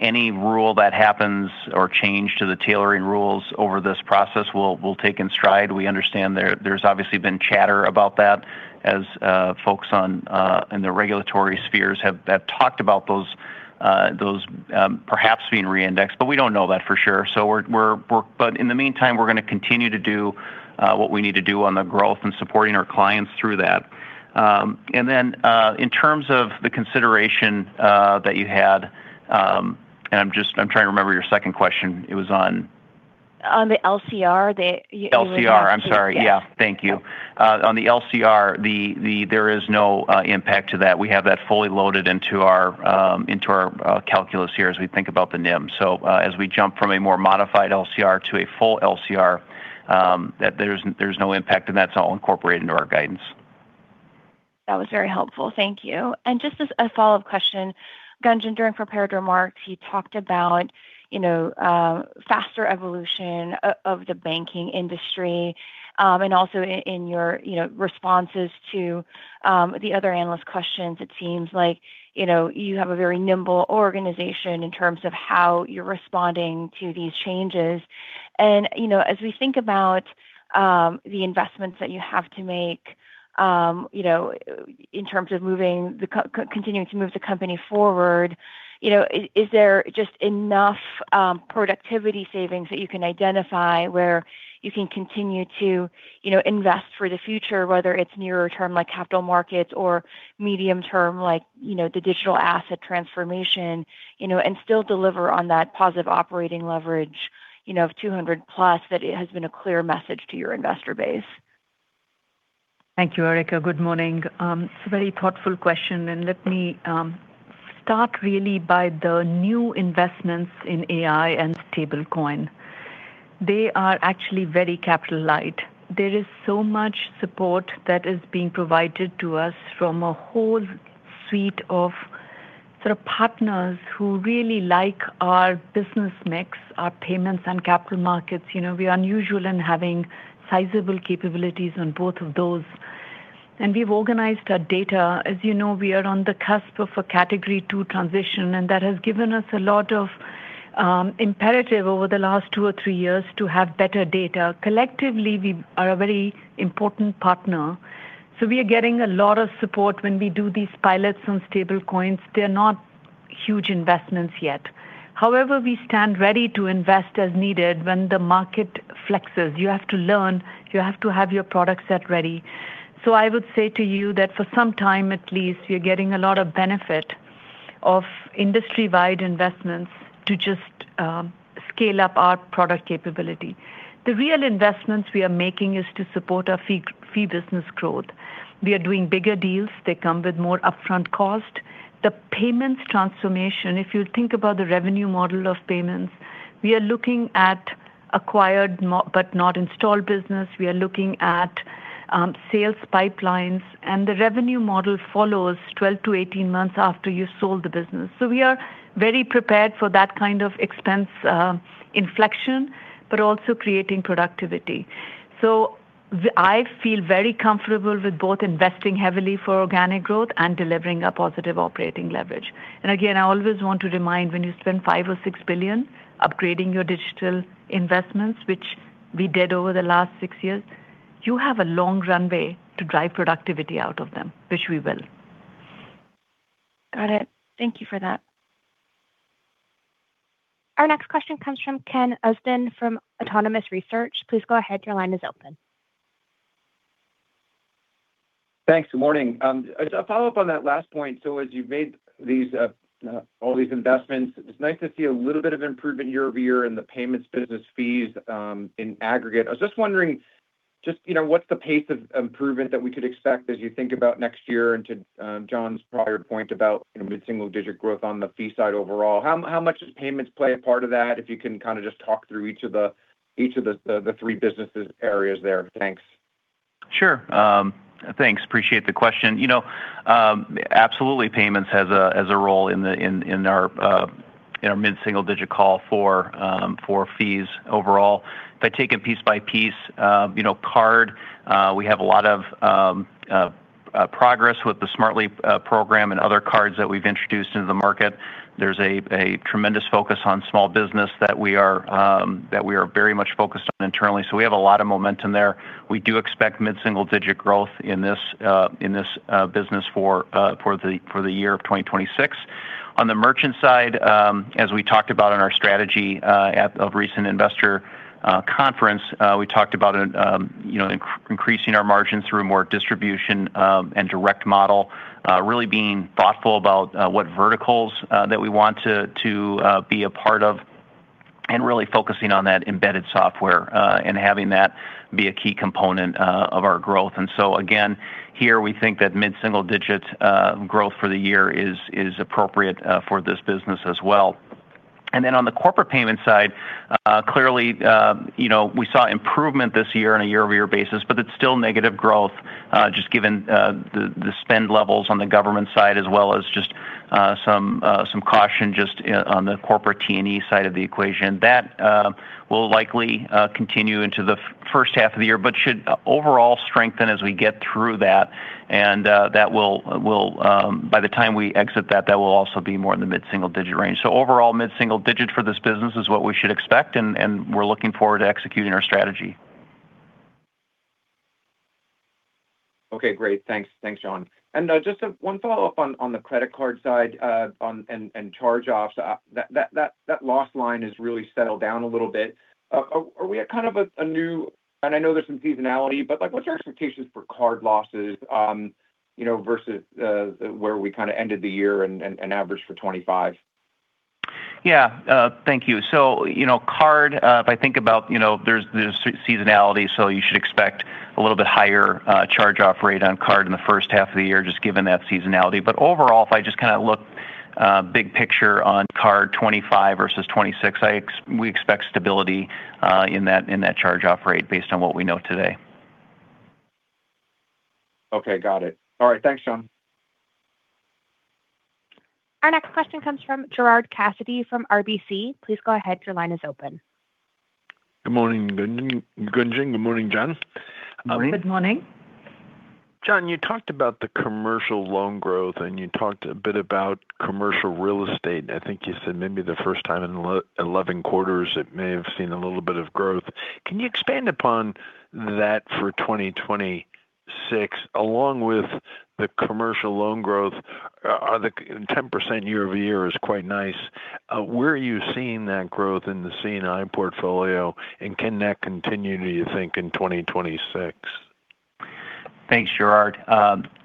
Speaker 4: Any rule that happens or change to the tailoring rules over this process, we'll take in stride. We understand there's obviously been chatter about that as folks in the regulatory spheres have talked about those perhaps being re-indexed, but we don't know that for sure. But in the meantime, we're going to continue to do what we need to do on the growth and supporting our clients through that. Then in terms of the consideration that you had, and I'm trying to remember your second question. It was on.
Speaker 10: On the LCR, the.
Speaker 4: LCR. I'm sorry. Yeah. Thank you. On the LCR, there is no impact to that. We have that fully loaded into our calculus here as we think about the NIM. So as we jump from a more modified LCR to a full LCR, there's no impact, and that's all incorporated into our guidance.
Speaker 10: That was very helpful. Thank you. And just as a follow-up question, Gunjan, during prepared remarks, you talked about faster evolution of the banking industry. And also in your responses to the other analyst questions, it seems like you have a very nimble organization in terms of how you're responding to these changes. And as we think about the investments that you have to make in terms of continuing to move the company forward, is there just enough productivity savings that you can identify where you can continue to invest for the future, whether it's nearer term like capital markets or medium term like the digital asset transformation, and still deliver on that positive operating leverage of 200-plus that it has been a clear message to your investor base?
Speaker 3: Thank you, Erica. Good morning. It's a very thoughtful question. Let me start really by the new investments in AI and stablecoin. They are actually very capital-light. There is so much support that is being provided to us from a whole suite of sort of partners who really like our business mix, our payments and capital markets. We are unusual in having sizable capabilities on both of those. We've organized our data. As you know, we are on the cusp of a Category II transition, and that has given us a lot of imperative over the last two or three years to have better data. Collectively, we are a very important partner. We are getting a lot of support when we do these pilots on stablecoins. They're not huge investments yet. However, we stand ready to invest as needed when the market flexes. You have to learn. You have to have your product set ready. So I would say to you that for some time at least, we are getting a lot of benefit of industry-wide investments to just scale up our product capability. The real investments we are making is to support our fee business growth. We are doing bigger deals. They come with more upfront cost. The payments transformation, if you think about the revenue model of payments, we are looking at acquired but not installed business. We are looking at sales pipelines. And the revenue model follows 12 to 18 months after you sold the business. So we are very prepared for that kind of expense inflection, but also creating productivity. So I feel very comfortable with both investing heavily for organic growth and delivering a positive operating leverage. And again, I always want to remind you when you spend $5 billion or $6 billion upgrading your digital investments, which we did over the last six years, you have a long runway to drive productivity out of them, which we will.
Speaker 10: Got it. Thank you for that.
Speaker 1: Our next question comes from Ken Usdin from Autonomous Research. Please go ahead. Your line is open.
Speaker 11: Thanks. Good morning. I just want to follow up on that last point. So as you've made all these investments, it's nice to see a little bit of improvement year over year in the payments business fees in aggregate. I was just wondering just what's the pace of improvement that we could expect as you think about next year and to John's prior point about mid-single digit growth on the fee side overall? How much do payments play a part of that if you can kind of just talk through each of the three businesses' areas there? Thanks.
Speaker 4: Sure. Thanks. Appreciate the question. Absolutely, payments has a role in our mid-single-digit call for fees overall. If I take it piece by piece, card, we have a lot of progress with the Smartly program and other cards that we've introduced into the market. There's a tremendous focus on small business that we are very much focused on internally. So we have a lot of momentum there. We do expect mid-single-digit growth in this business for the year of 2026. On the merchant side, as we talked about in our strategy of recent investor conference, we talked about increasing our margins through more distribution and direct model, really being thoughtful about what verticals that we want to be a part of, and really focusing on that embedded software and having that be a key component of our growth. And so again, here, we think that mid-single digit growth for the year is appropriate for this business as well. And then on the corporate payment side, clearly, we saw improvement this year on a year-over-year basis, but it's still negative growth just given the spend levels on the government side as well as just some caution just on the corporate T&E side of the equation. That will likely continue into the first half of the year, but should overall strengthen as we get through that. And by the time we exit that, that will also be more in the mid-single digit range. So overall, mid-single digit for this business is what we should expect, and we're looking forward to executing our strategy.
Speaker 11: Okay. Great. Thanks, John. And just one follow-up on the credit card side and charge-offs. That loss line has really settled down a little bit. Are we at kind of a new, and I know there's some seasonality, but what's your expectations for card losses versus where we kind of ended the year and averaged for 2025?
Speaker 4: Yeah. Thank you. So card, if I think about there's seasonality, so you should expect a little bit higher charge-off rate on card in the first half of the year just given that seasonality. But overall, if I just kind of look big picture on card 2025 versus 2026, we expect stability in that charge-off rate based on what we know today.
Speaker 11: Okay. Got it. All right. Thanks, John.
Speaker 1: Our next question comes from Gerard Cassidy from RBC. Please go ahead. Your line is open.
Speaker 12: Good morning, Gunjan. Good morning, John.
Speaker 3: Good morning.
Speaker 12: John, you talked about the commercial loan growth, and you talked a bit about commercial real estate. I think you said maybe the first time in 11 quarters, it may have seen a little bit of growth. Can you expand upon that for 2026? Along with the commercial loan growth, the 10% year over year is quite nice. Where are you seeing that growth in the C&I portfolio, and can that continue, do you think, in 2026?
Speaker 4: Thanks, Gerard.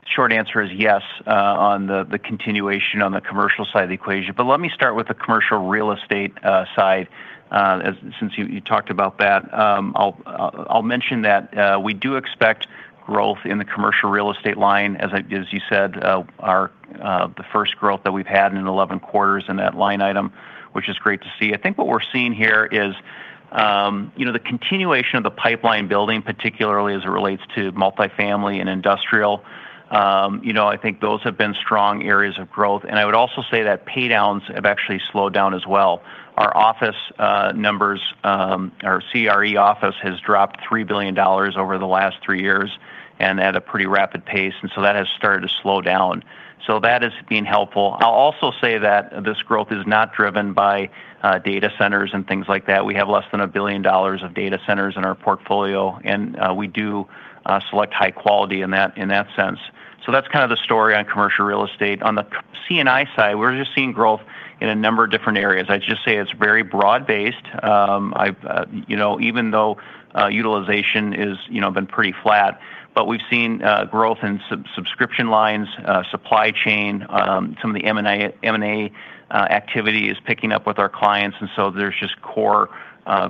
Speaker 4: Short answer is yes on the continuation on the commercial side of the equation. But let me start with the commercial real estate side. Since you talked about that, I'll mention that we do expect growth in the commercial real estate line. As you said, the first growth that we've had in 11 quarters in that line item, which is great to see. I think what we're seeing here is the continuation of the pipeline building, particularly as it relates to multifamily and industrial. I think those have been strong areas of growth. And I would also say that paydowns have actually slowed down as well. Our CRE office has dropped $3 billion over the last three years and at a pretty rapid pace. And so that has started to slow down. So that is being helpful. I'll also say that this growth is not driven by data centers and things like that. We have less than $1 billion of data centers in our portfolio, and we do select high quality in that sense. So that's kind of the story on commercial real estate. On the C&I side, we're just seeing growth in a number of different areas. I'd just say it's very broad-based, even though utilization has been pretty flat, but we've seen growth in subscription lines, supply chain, some of the M&A activities picking up with our clients, and so there's just core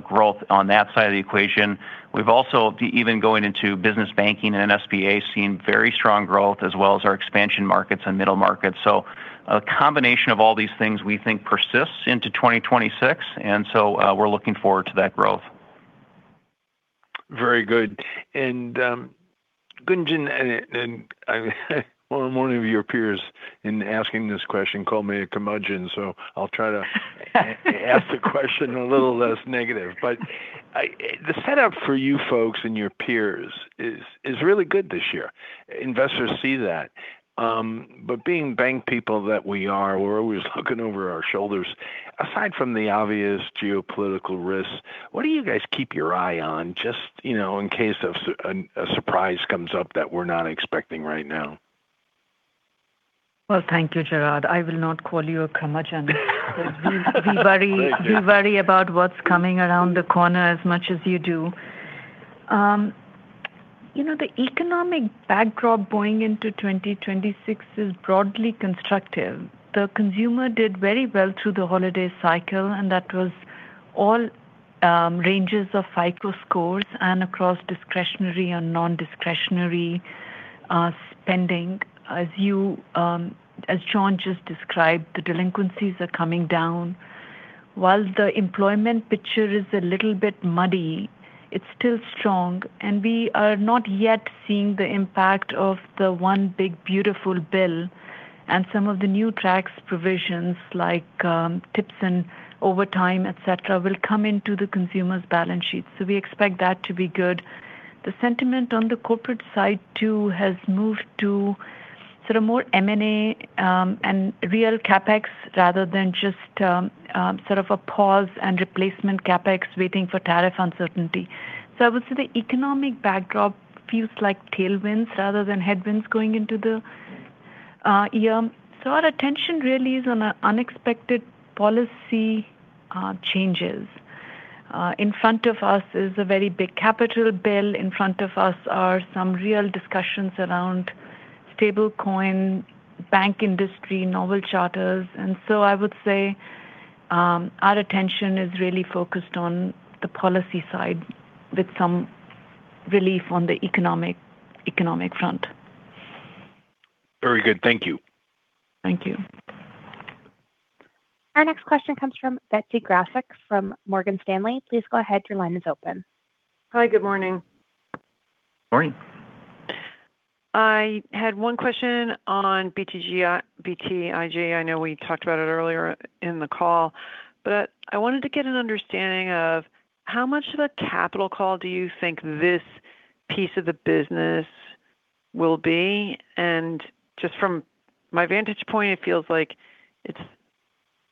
Speaker 4: growth on that side of the equation. We've also, even going into business banking and SBA, seen very strong growth as well as our expansion markets and middle markets, so a combination of all these things we think persists into 2026, and so we're looking forward to that growth.
Speaker 12: Very good. And Gunjan, one of your peers in asking this question called me a curmudgeon, so I'll try to ask the question a little less negative. But the setup for you folks and your peers is really good this year. Investors see that. But being bank people that we are, we're always looking over our shoulders. Aside from the obvious geopolitical risks, what do you guys keep your eye on just in case a surprise comes up that we're not expecting right now?
Speaker 3: Thank you, Gerard. I will not call you a curmudgeon. We worry about what's coming around the corner as much as you do. The economic backdrop going into 2026 is broadly constructive. The consumer did very well through the holiday cycle, and that was all ranges of FICO scores and across discretionary and non-discretionary spending. As John just described, the delinquencies are coming down. While the employment picture is a little bit muddy, it's still strong. We are not yet seeing the impact of the one big beautiful bill and some of the new tax provisions like tips and overtime, etc., will come into the consumer's balance sheet. We expect that to be good. The sentiment on the corporate side too has moved to sort of more M&A and real CapEx rather than just sort of a pause and replacement CapEx waiting for tariff uncertainty. So I would say the economic backdrop feels like tailwinds rather than headwinds going into the year. So our attention really is on unexpected policy changes. In front of us is a very big capital bill. In front of us are some real discussions around stablecoin, bank industry, novel charters. And so I would say our attention is really focused on the policy side with some relief on the economic front.
Speaker 12: Very good. Thank you.
Speaker 3: Thank you.
Speaker 1: Our next question comes from Betsy Graseck from Morgan Stanley. Please go ahead. Your line is open.
Speaker 13: Hi. Good morning.
Speaker 4: Morning.
Speaker 13: I had one question on BTIG. I know we talked about it earlier in the call, but I wanted to get an understanding of how much of a capital call do you think this piece of the business will be? And just from my vantage point, it feels like it's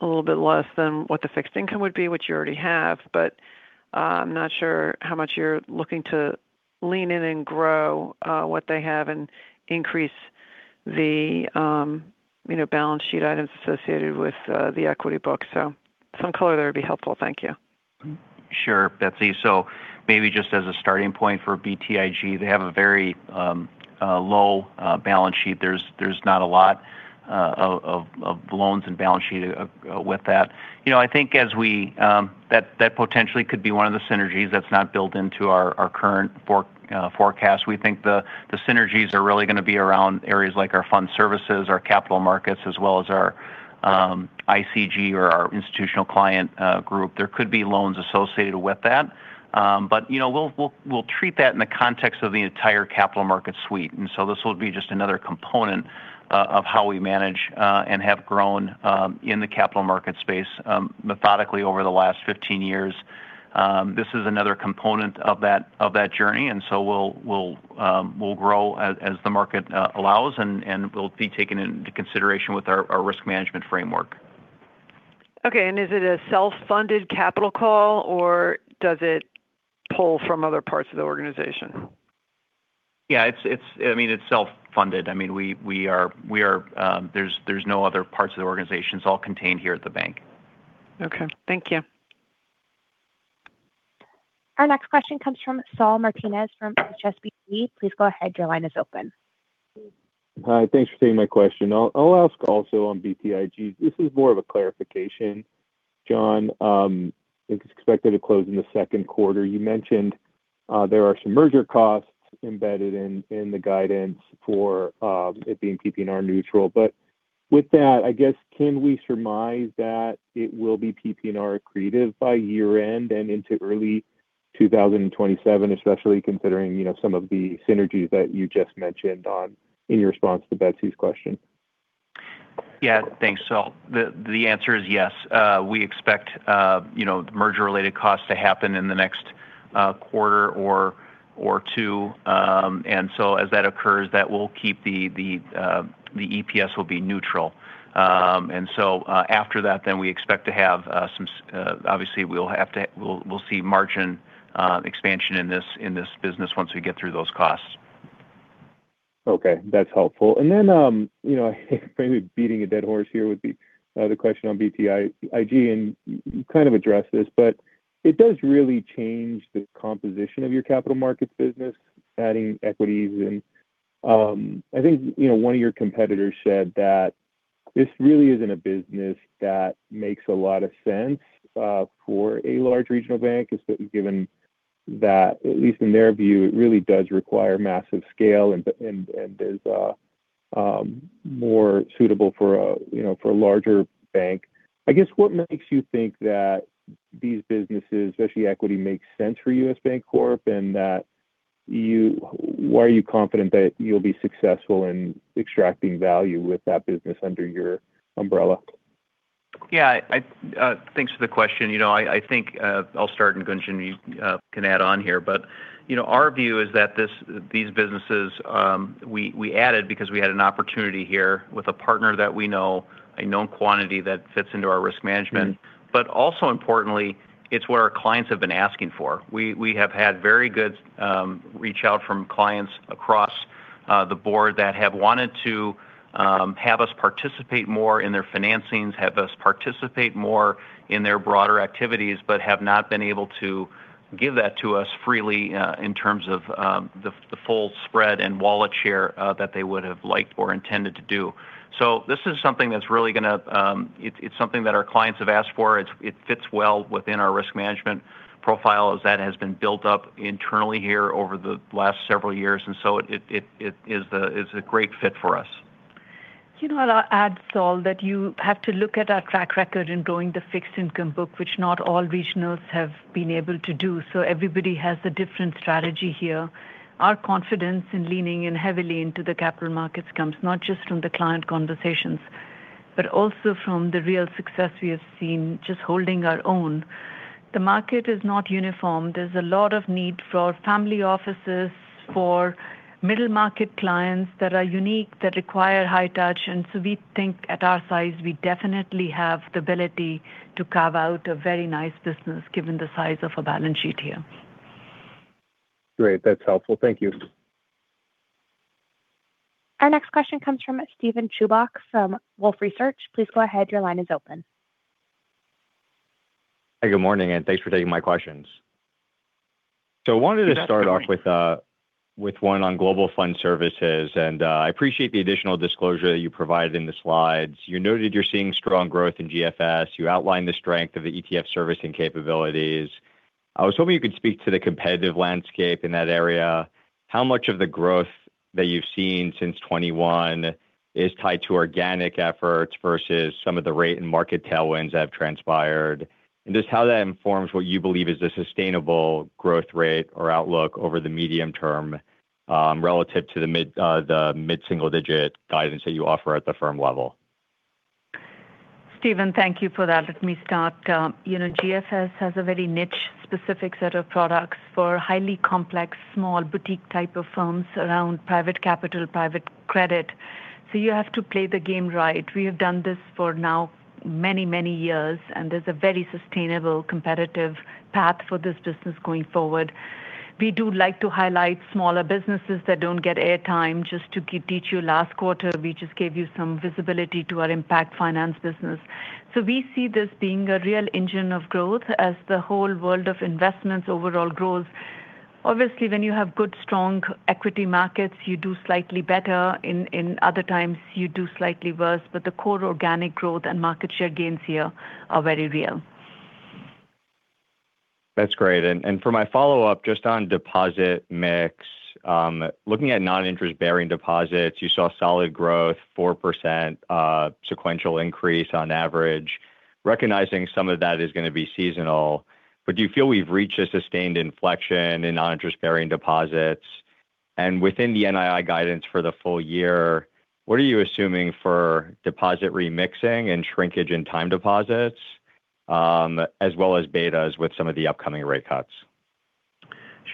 Speaker 13: a little bit less than what the fixed income would be, which you already have. But I'm not sure how much you're looking to lean in and grow what they have and increase the balance sheet items associated with the equity book. So some color there would be helpful. Thank you.
Speaker 4: Sure, Betsy. So maybe just as a starting point for BTIG, they have a very low balance sheet. There's not a lot of loans and balance sheet with that. I think that potentially could be one of the synergies that's not built into our current forecast. We think the synergies are really going to be around areas like our fund services, our capital markets, as well as our ICG or our institutional client group. There could be loans associated with that. But we'll treat that in the context of the entire capital market suite. And so this will be just another component of how we manage and have grown in the capital market space methodically over the last 15 years. This is another component of that journey. And so we'll grow as the market allows, and we'll be taken into consideration with our risk management framework.
Speaker 13: Okay. And is it a self-funded capital call, or does it pull from other parts of the organization?
Speaker 4: Yeah. I mean, it's self-funded. I mean, there's no other parts of the organization. It's all contained here at the bank.
Speaker 13: Okay. Thank you.
Speaker 1: Our next question comes from Saul Martinez from HSBC. Please go ahead. Your line is open.
Speaker 14: Hi. Thanks for taking my question. I'll ask also on BTIG. This is more of a clarification, John. It's expected to close in the second quarter. You mentioned there are some merger costs embedded in the guidance for it being PPNR neutral. But with that, I guess, can we surmise that it will be PPNR accretive by year-end and into early 2027, especially considering some of the synergies that you just mentioned in your response to Betsy's question?
Speaker 4: Yeah. Thanks, Saul. The answer is yes. We expect merger-related costs to happen in the next quarter or two. And so as that occurs, that will keep the EPS neutral. And so after that, then we expect to have some obviously. We'll see margin expansion in this business once we get through those costs.
Speaker 14: Okay. That's helpful. And then maybe beating a dead horse here would be the question on BTIG, and you kind of addressed this, but it does really change the composition of your capital markets business, adding equities. And I think one of your competitors said that this really isn't a business that makes a lot of sense for a large regional bank, given that, at least in their view, it really does require massive scale and is more suitable for a larger bank. I guess, what makes you think that these businesses, especially equity, make sense for U.S. Bancorp, and why are you confident that you'll be successful in extracting value with that business under your umbrella?
Speaker 4: Yeah. Thanks for the question. I think I'll start, and Gunjan can add on here. But our view is that these businesses, we added because we had an opportunity here with a partner that we know, a known quantity that fits into our risk management. But also importantly, it's what our clients have been asking for. We have had very good reach out from clients across the board that have wanted to have us participate more in their financings, have us participate more in their broader activities, but have not been able to give that to us freely in terms of the full spread and wallet share that they would have liked or intended to do. So this is something that's really going to. It's something that our clients have asked for. It fits well within our risk management profile as that has been built up internally here over the last several years, and so it is a great fit for us.
Speaker 3: You know what I'll add, Saul, that you have to look at our track record in growing the fixed income book, which not all regionals have been able to do. So everybody has a different strategy here. Our confidence in leaning in heavily into the capital markets comes not just from the client conversations, but also from the real success we have seen just holding our own. The market is not uniform. There's a lot of need for family offices, for middle market clients that are unique, that require high touch, and so we think at our size, we definitely have the ability to carve out a very nice business given the size of our balance sheet here.
Speaker 14: Great. That's helpful. Thank you.
Speaker 1: Our next question comes from Steven Chubak from Wolfe Research. Please go ahead. Your line is open.
Speaker 15: Hi. Good morning, and thanks for taking my questions. So I wanted to start off with one on Global Fund Services. And I appreciate the additional disclosure that you provided in the slides. You noted you're seeing strong growth in GFS. You outlined the strength of the ETF servicing capabilities. I was hoping you could speak to the competitive landscape in that area. How much of the growth that you've seen since 2021 is tied to organic efforts versus some of the rate and market tailwinds that have transpired? And just how that informs what you believe is a sustainable growth rate or outlook over the medium term relative to the mid-single-digit guidance that you offer at the firm level?
Speaker 3: Steven, thank you for that. Let me start. GFS has a very niche specific set of products for highly complex small boutique type of firms around private capital, private credit. So you have to play the game right. We have done this for now many, many years, and there's a very sustainable competitive path for this business going forward. We do like to highlight smaller businesses that don't get airtime. Just to teach you, last quarter, we just gave you some visibility to our Impact Finance business. So we see this being a real engine of growth as the whole world of investments overall grows. Obviously, when you have good, strong equity markets, you do slightly better. In other times, you do slightly worse. But the core organic growth and market share gains here are very real.
Speaker 15: That's great. And for my follow-up, just on deposit mix, looking at non-interest-bearing deposits, you saw solid growth, 4% sequential increase on average. Recognizing some of that is going to be seasonal. But do you feel we've reached a sustained inflection in non-interest-bearing deposits? And within the NII guidance for the full year, what are you assuming for deposit remixing and shrinkage in time deposits, as well as betas with some of the upcoming rate cuts?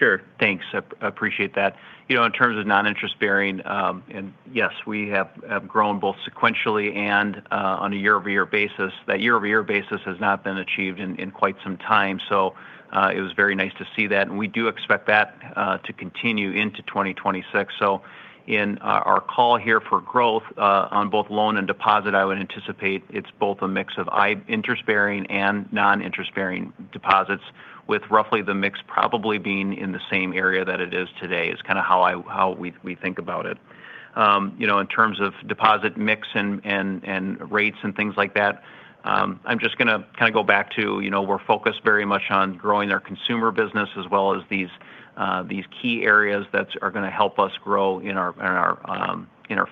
Speaker 4: Sure. Thanks. Appreciate that. In terms of non-interest-bearing, and yes, we have grown both sequentially and on a year-over-year basis. That year-over-year basis has not been achieved in quite some time. So it was very nice to see that. And we do expect that to continue into 2026. So in our call here for growth on both loan and deposit, I would anticipate it's both a mix of interest-bearing and non-interest-bearing deposits, with roughly the mix probably being in the same area that it is today is kind of how we think about it. In terms of deposit mix and rates and things like that, I'm just going to kind of go back to we're focused very much on growing our consumer business as well as these key areas that are going to help us grow in our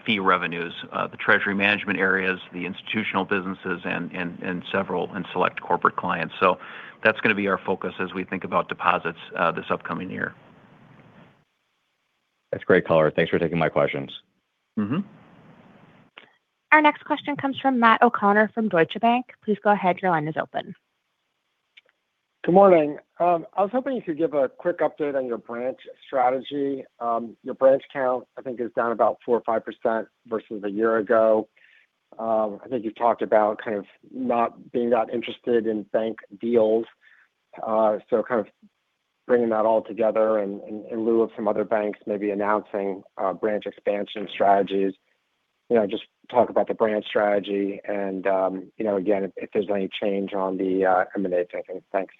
Speaker 4: fee revenues, the Treasury Management areas, the institutional businesses, and several select corporate clients, so that's going to be our focus as we think about deposits this upcoming year.
Speaker 14: That's great, Callery. Thanks for taking my questions.
Speaker 1: Our next question comes from Matt O'Connor from Deutsche Bank. Please go ahead. Your line is open.
Speaker 16: Good morning. I was hoping you could give a quick update on your branch strategy. Your branch count, I think, is down about four or five% versus a year ago. I think you've talked about kind of not being that interested in bank deals. So kind of bringing that all together in lieu of some other banks maybe announcing branch expansion strategies. Just talk about the branch strategy. And again, if there's any change on the M&A thinking. Thanks.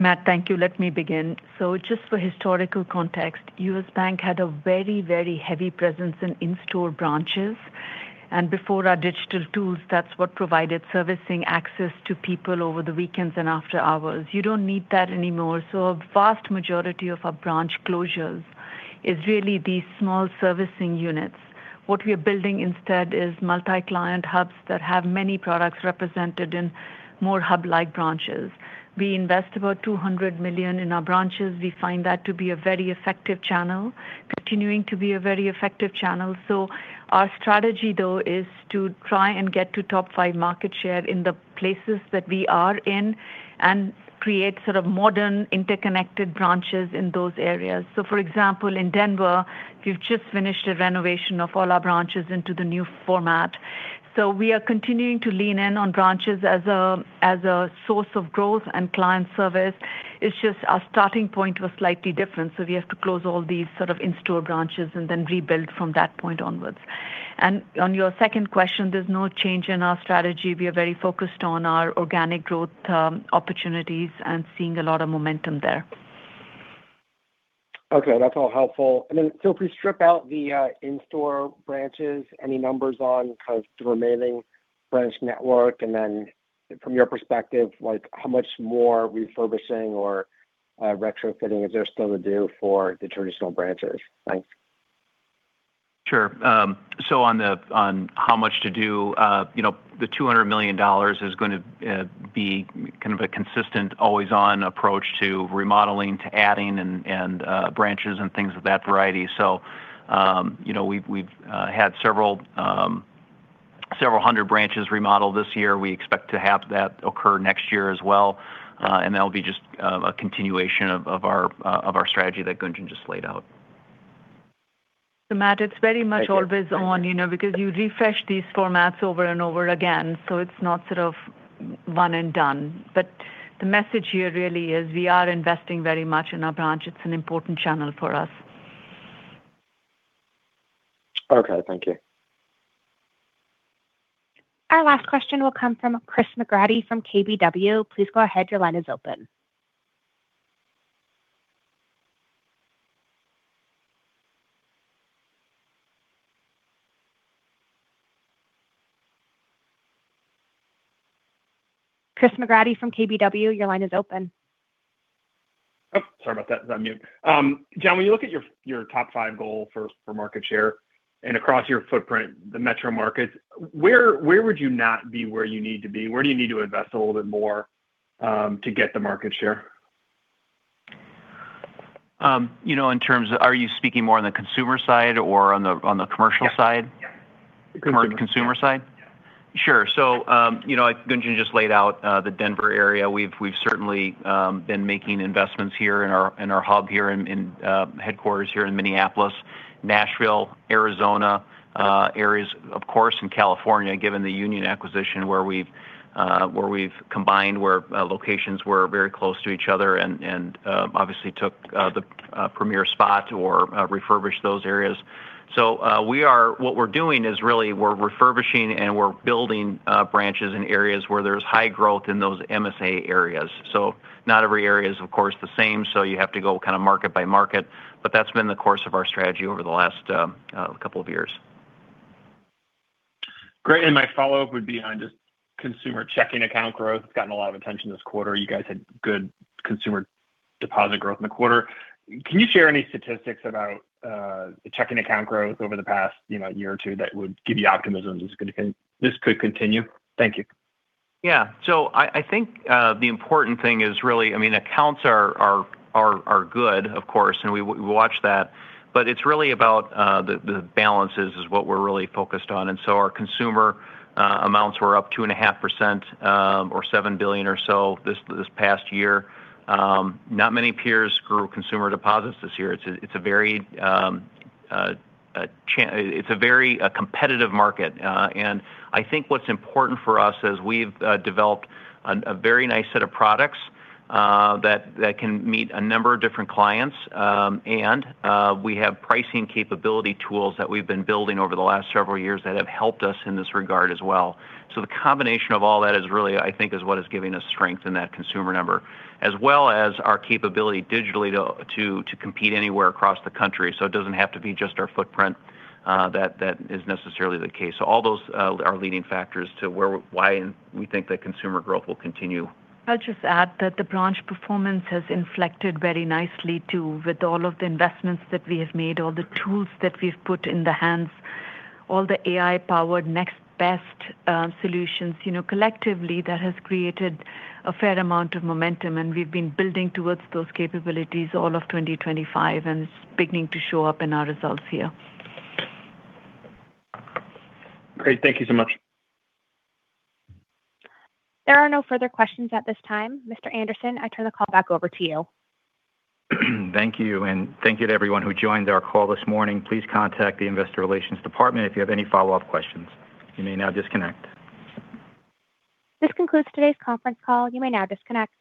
Speaker 3: Matt, thank you. Let me begin. Just for historical context, U.S. Bank had a very, very heavy presence in in-store branches. Before our digital tools, that's what provided servicing access to people over the weekends and after hours. You don't need that anymore. A vast majority of our branch closures is really these small servicing units. What we are building instead is multi-client hubs that have many products represented in more hub-like branches. We invest about $200 million in our branches. We find that to be a very effective channel, continuing to be a very effective channel. Our strategy, though, is to try and get to top five market share in the places that we are in and create sort of modern interconnected branches in those areas. For example, in Denver, we've just finished a renovation of all our branches into the new format. So we are continuing to lean in on branches as a source of growth and client service. It's just our starting point was slightly different. So we have to close all these sort of in-store branches and then rebuild from that point onwards. And on your second question, there's no change in our strategy. We are very focused on our organic growth opportunities and seeing a lot of momentum there.
Speaker 16: Okay. That's all helpful. And then so if we strip out the in-store branches, any numbers on kind of the remaining branch network? And then from your perspective, how much more refurbishing or retrofitting is there still to do for the traditional branches? Thanks.
Speaker 7: Sure. So on how much to do, the $200 million is going to be kind of a consistent always-on approach to remodeling, to adding branches and things of that variety. So we've had several hundred branches remodeled this year. We expect to have that occur next year as well. And that'll be just a continuation of our strategy that Gunjan just laid out.
Speaker 3: So Matt, it's very much always on because you refresh these formats over and over again. So it's not sort of one and done. But the message here really is we are investing very much in our branch. It's an important channel for us.
Speaker 16: Okay. Thank you.
Speaker 1: Our last question will come from Chris McGratty from KBW. Please go ahead. Your line is open. Chris McGratty from KBW, your line is open.
Speaker 17: Oh, sorry about that. I'm on mute. John, when you look at your top five goal for market share and across your footprint, the metro markets, where would you not be where you need to be? Where do you need to invest a little bit more to get the market share?
Speaker 4: In terms of are you speaking more on the consumer side or on the commercial side?
Speaker 17: Yeah.
Speaker 4: Consumer side?
Speaker 17: Yeah.
Speaker 4: Sure. So Gunjan just laid out the Denver area. We've certainly been making investments here in our hub here in headquarters here in Minneapolis, Nashville, Arizona areas, of course, and California, given the Union acquisition where we've combined where locations were very close to each other and obviously took the premier spot or refurbished those areas. So what we're doing is really we're refurbishing and we're building branches in areas where there's high growth in those MSA areas. So not every area is, of course, the same. So you have to go kind of market by market. But that's been the course of our strategy over the last couple of years.
Speaker 17: Great. And my follow-up would be on just consumer checking account growth. It's gotten a lot of attention this quarter. You guys had good consumer deposit growth in the quarter. Can you share any statistics about the checking account growth over the past year or two that would give you optimism this could continue? Thank you.
Speaker 4: Yeah. So I think the important thing is really, I mean, accounts are good, of course, and we watch that. But it's really about the balances is what we're really focused on. And so our consumer amounts were up 2.5% or $7 billion or so this past year. Not many peers grew consumer deposits this year. It's a very competitive market. And I think what's important for us is we've developed a very nice set of products that can meet a number of different clients. And we have pricing capability tools that we've been building over the last several years that have helped us in this regard as well. So the combination of all that is really, I think, is what is giving us strength in that consumer number, as well as our capability digitally to compete anywhere across the country. So it doesn't have to be just our footprint that is necessarily the case. So all those are leading factors to why we think that consumer growth will continue.
Speaker 3: I'll just add that the branch performance has inflected very nicely too with all of the investments that we have made, all the tools that we've put in the hands, all the AI-powered next best solutions. Collectively, that has created a fair amount of momentum, and we've been building towards those capabilities all of 2025, and it's beginning to show up in our results here.
Speaker 17: Great. Thank you so much.
Speaker 1: There are no further questions at this time. Mr. Anderson, I turn the call back over to you.
Speaker 2: Thank you. And thank you to everyone who joined our call this morning. Please contact the Investor Relations Department if you have any follow-up questions. You may now disconnect.
Speaker 1: This concludes today's conference call. You may now disconnect.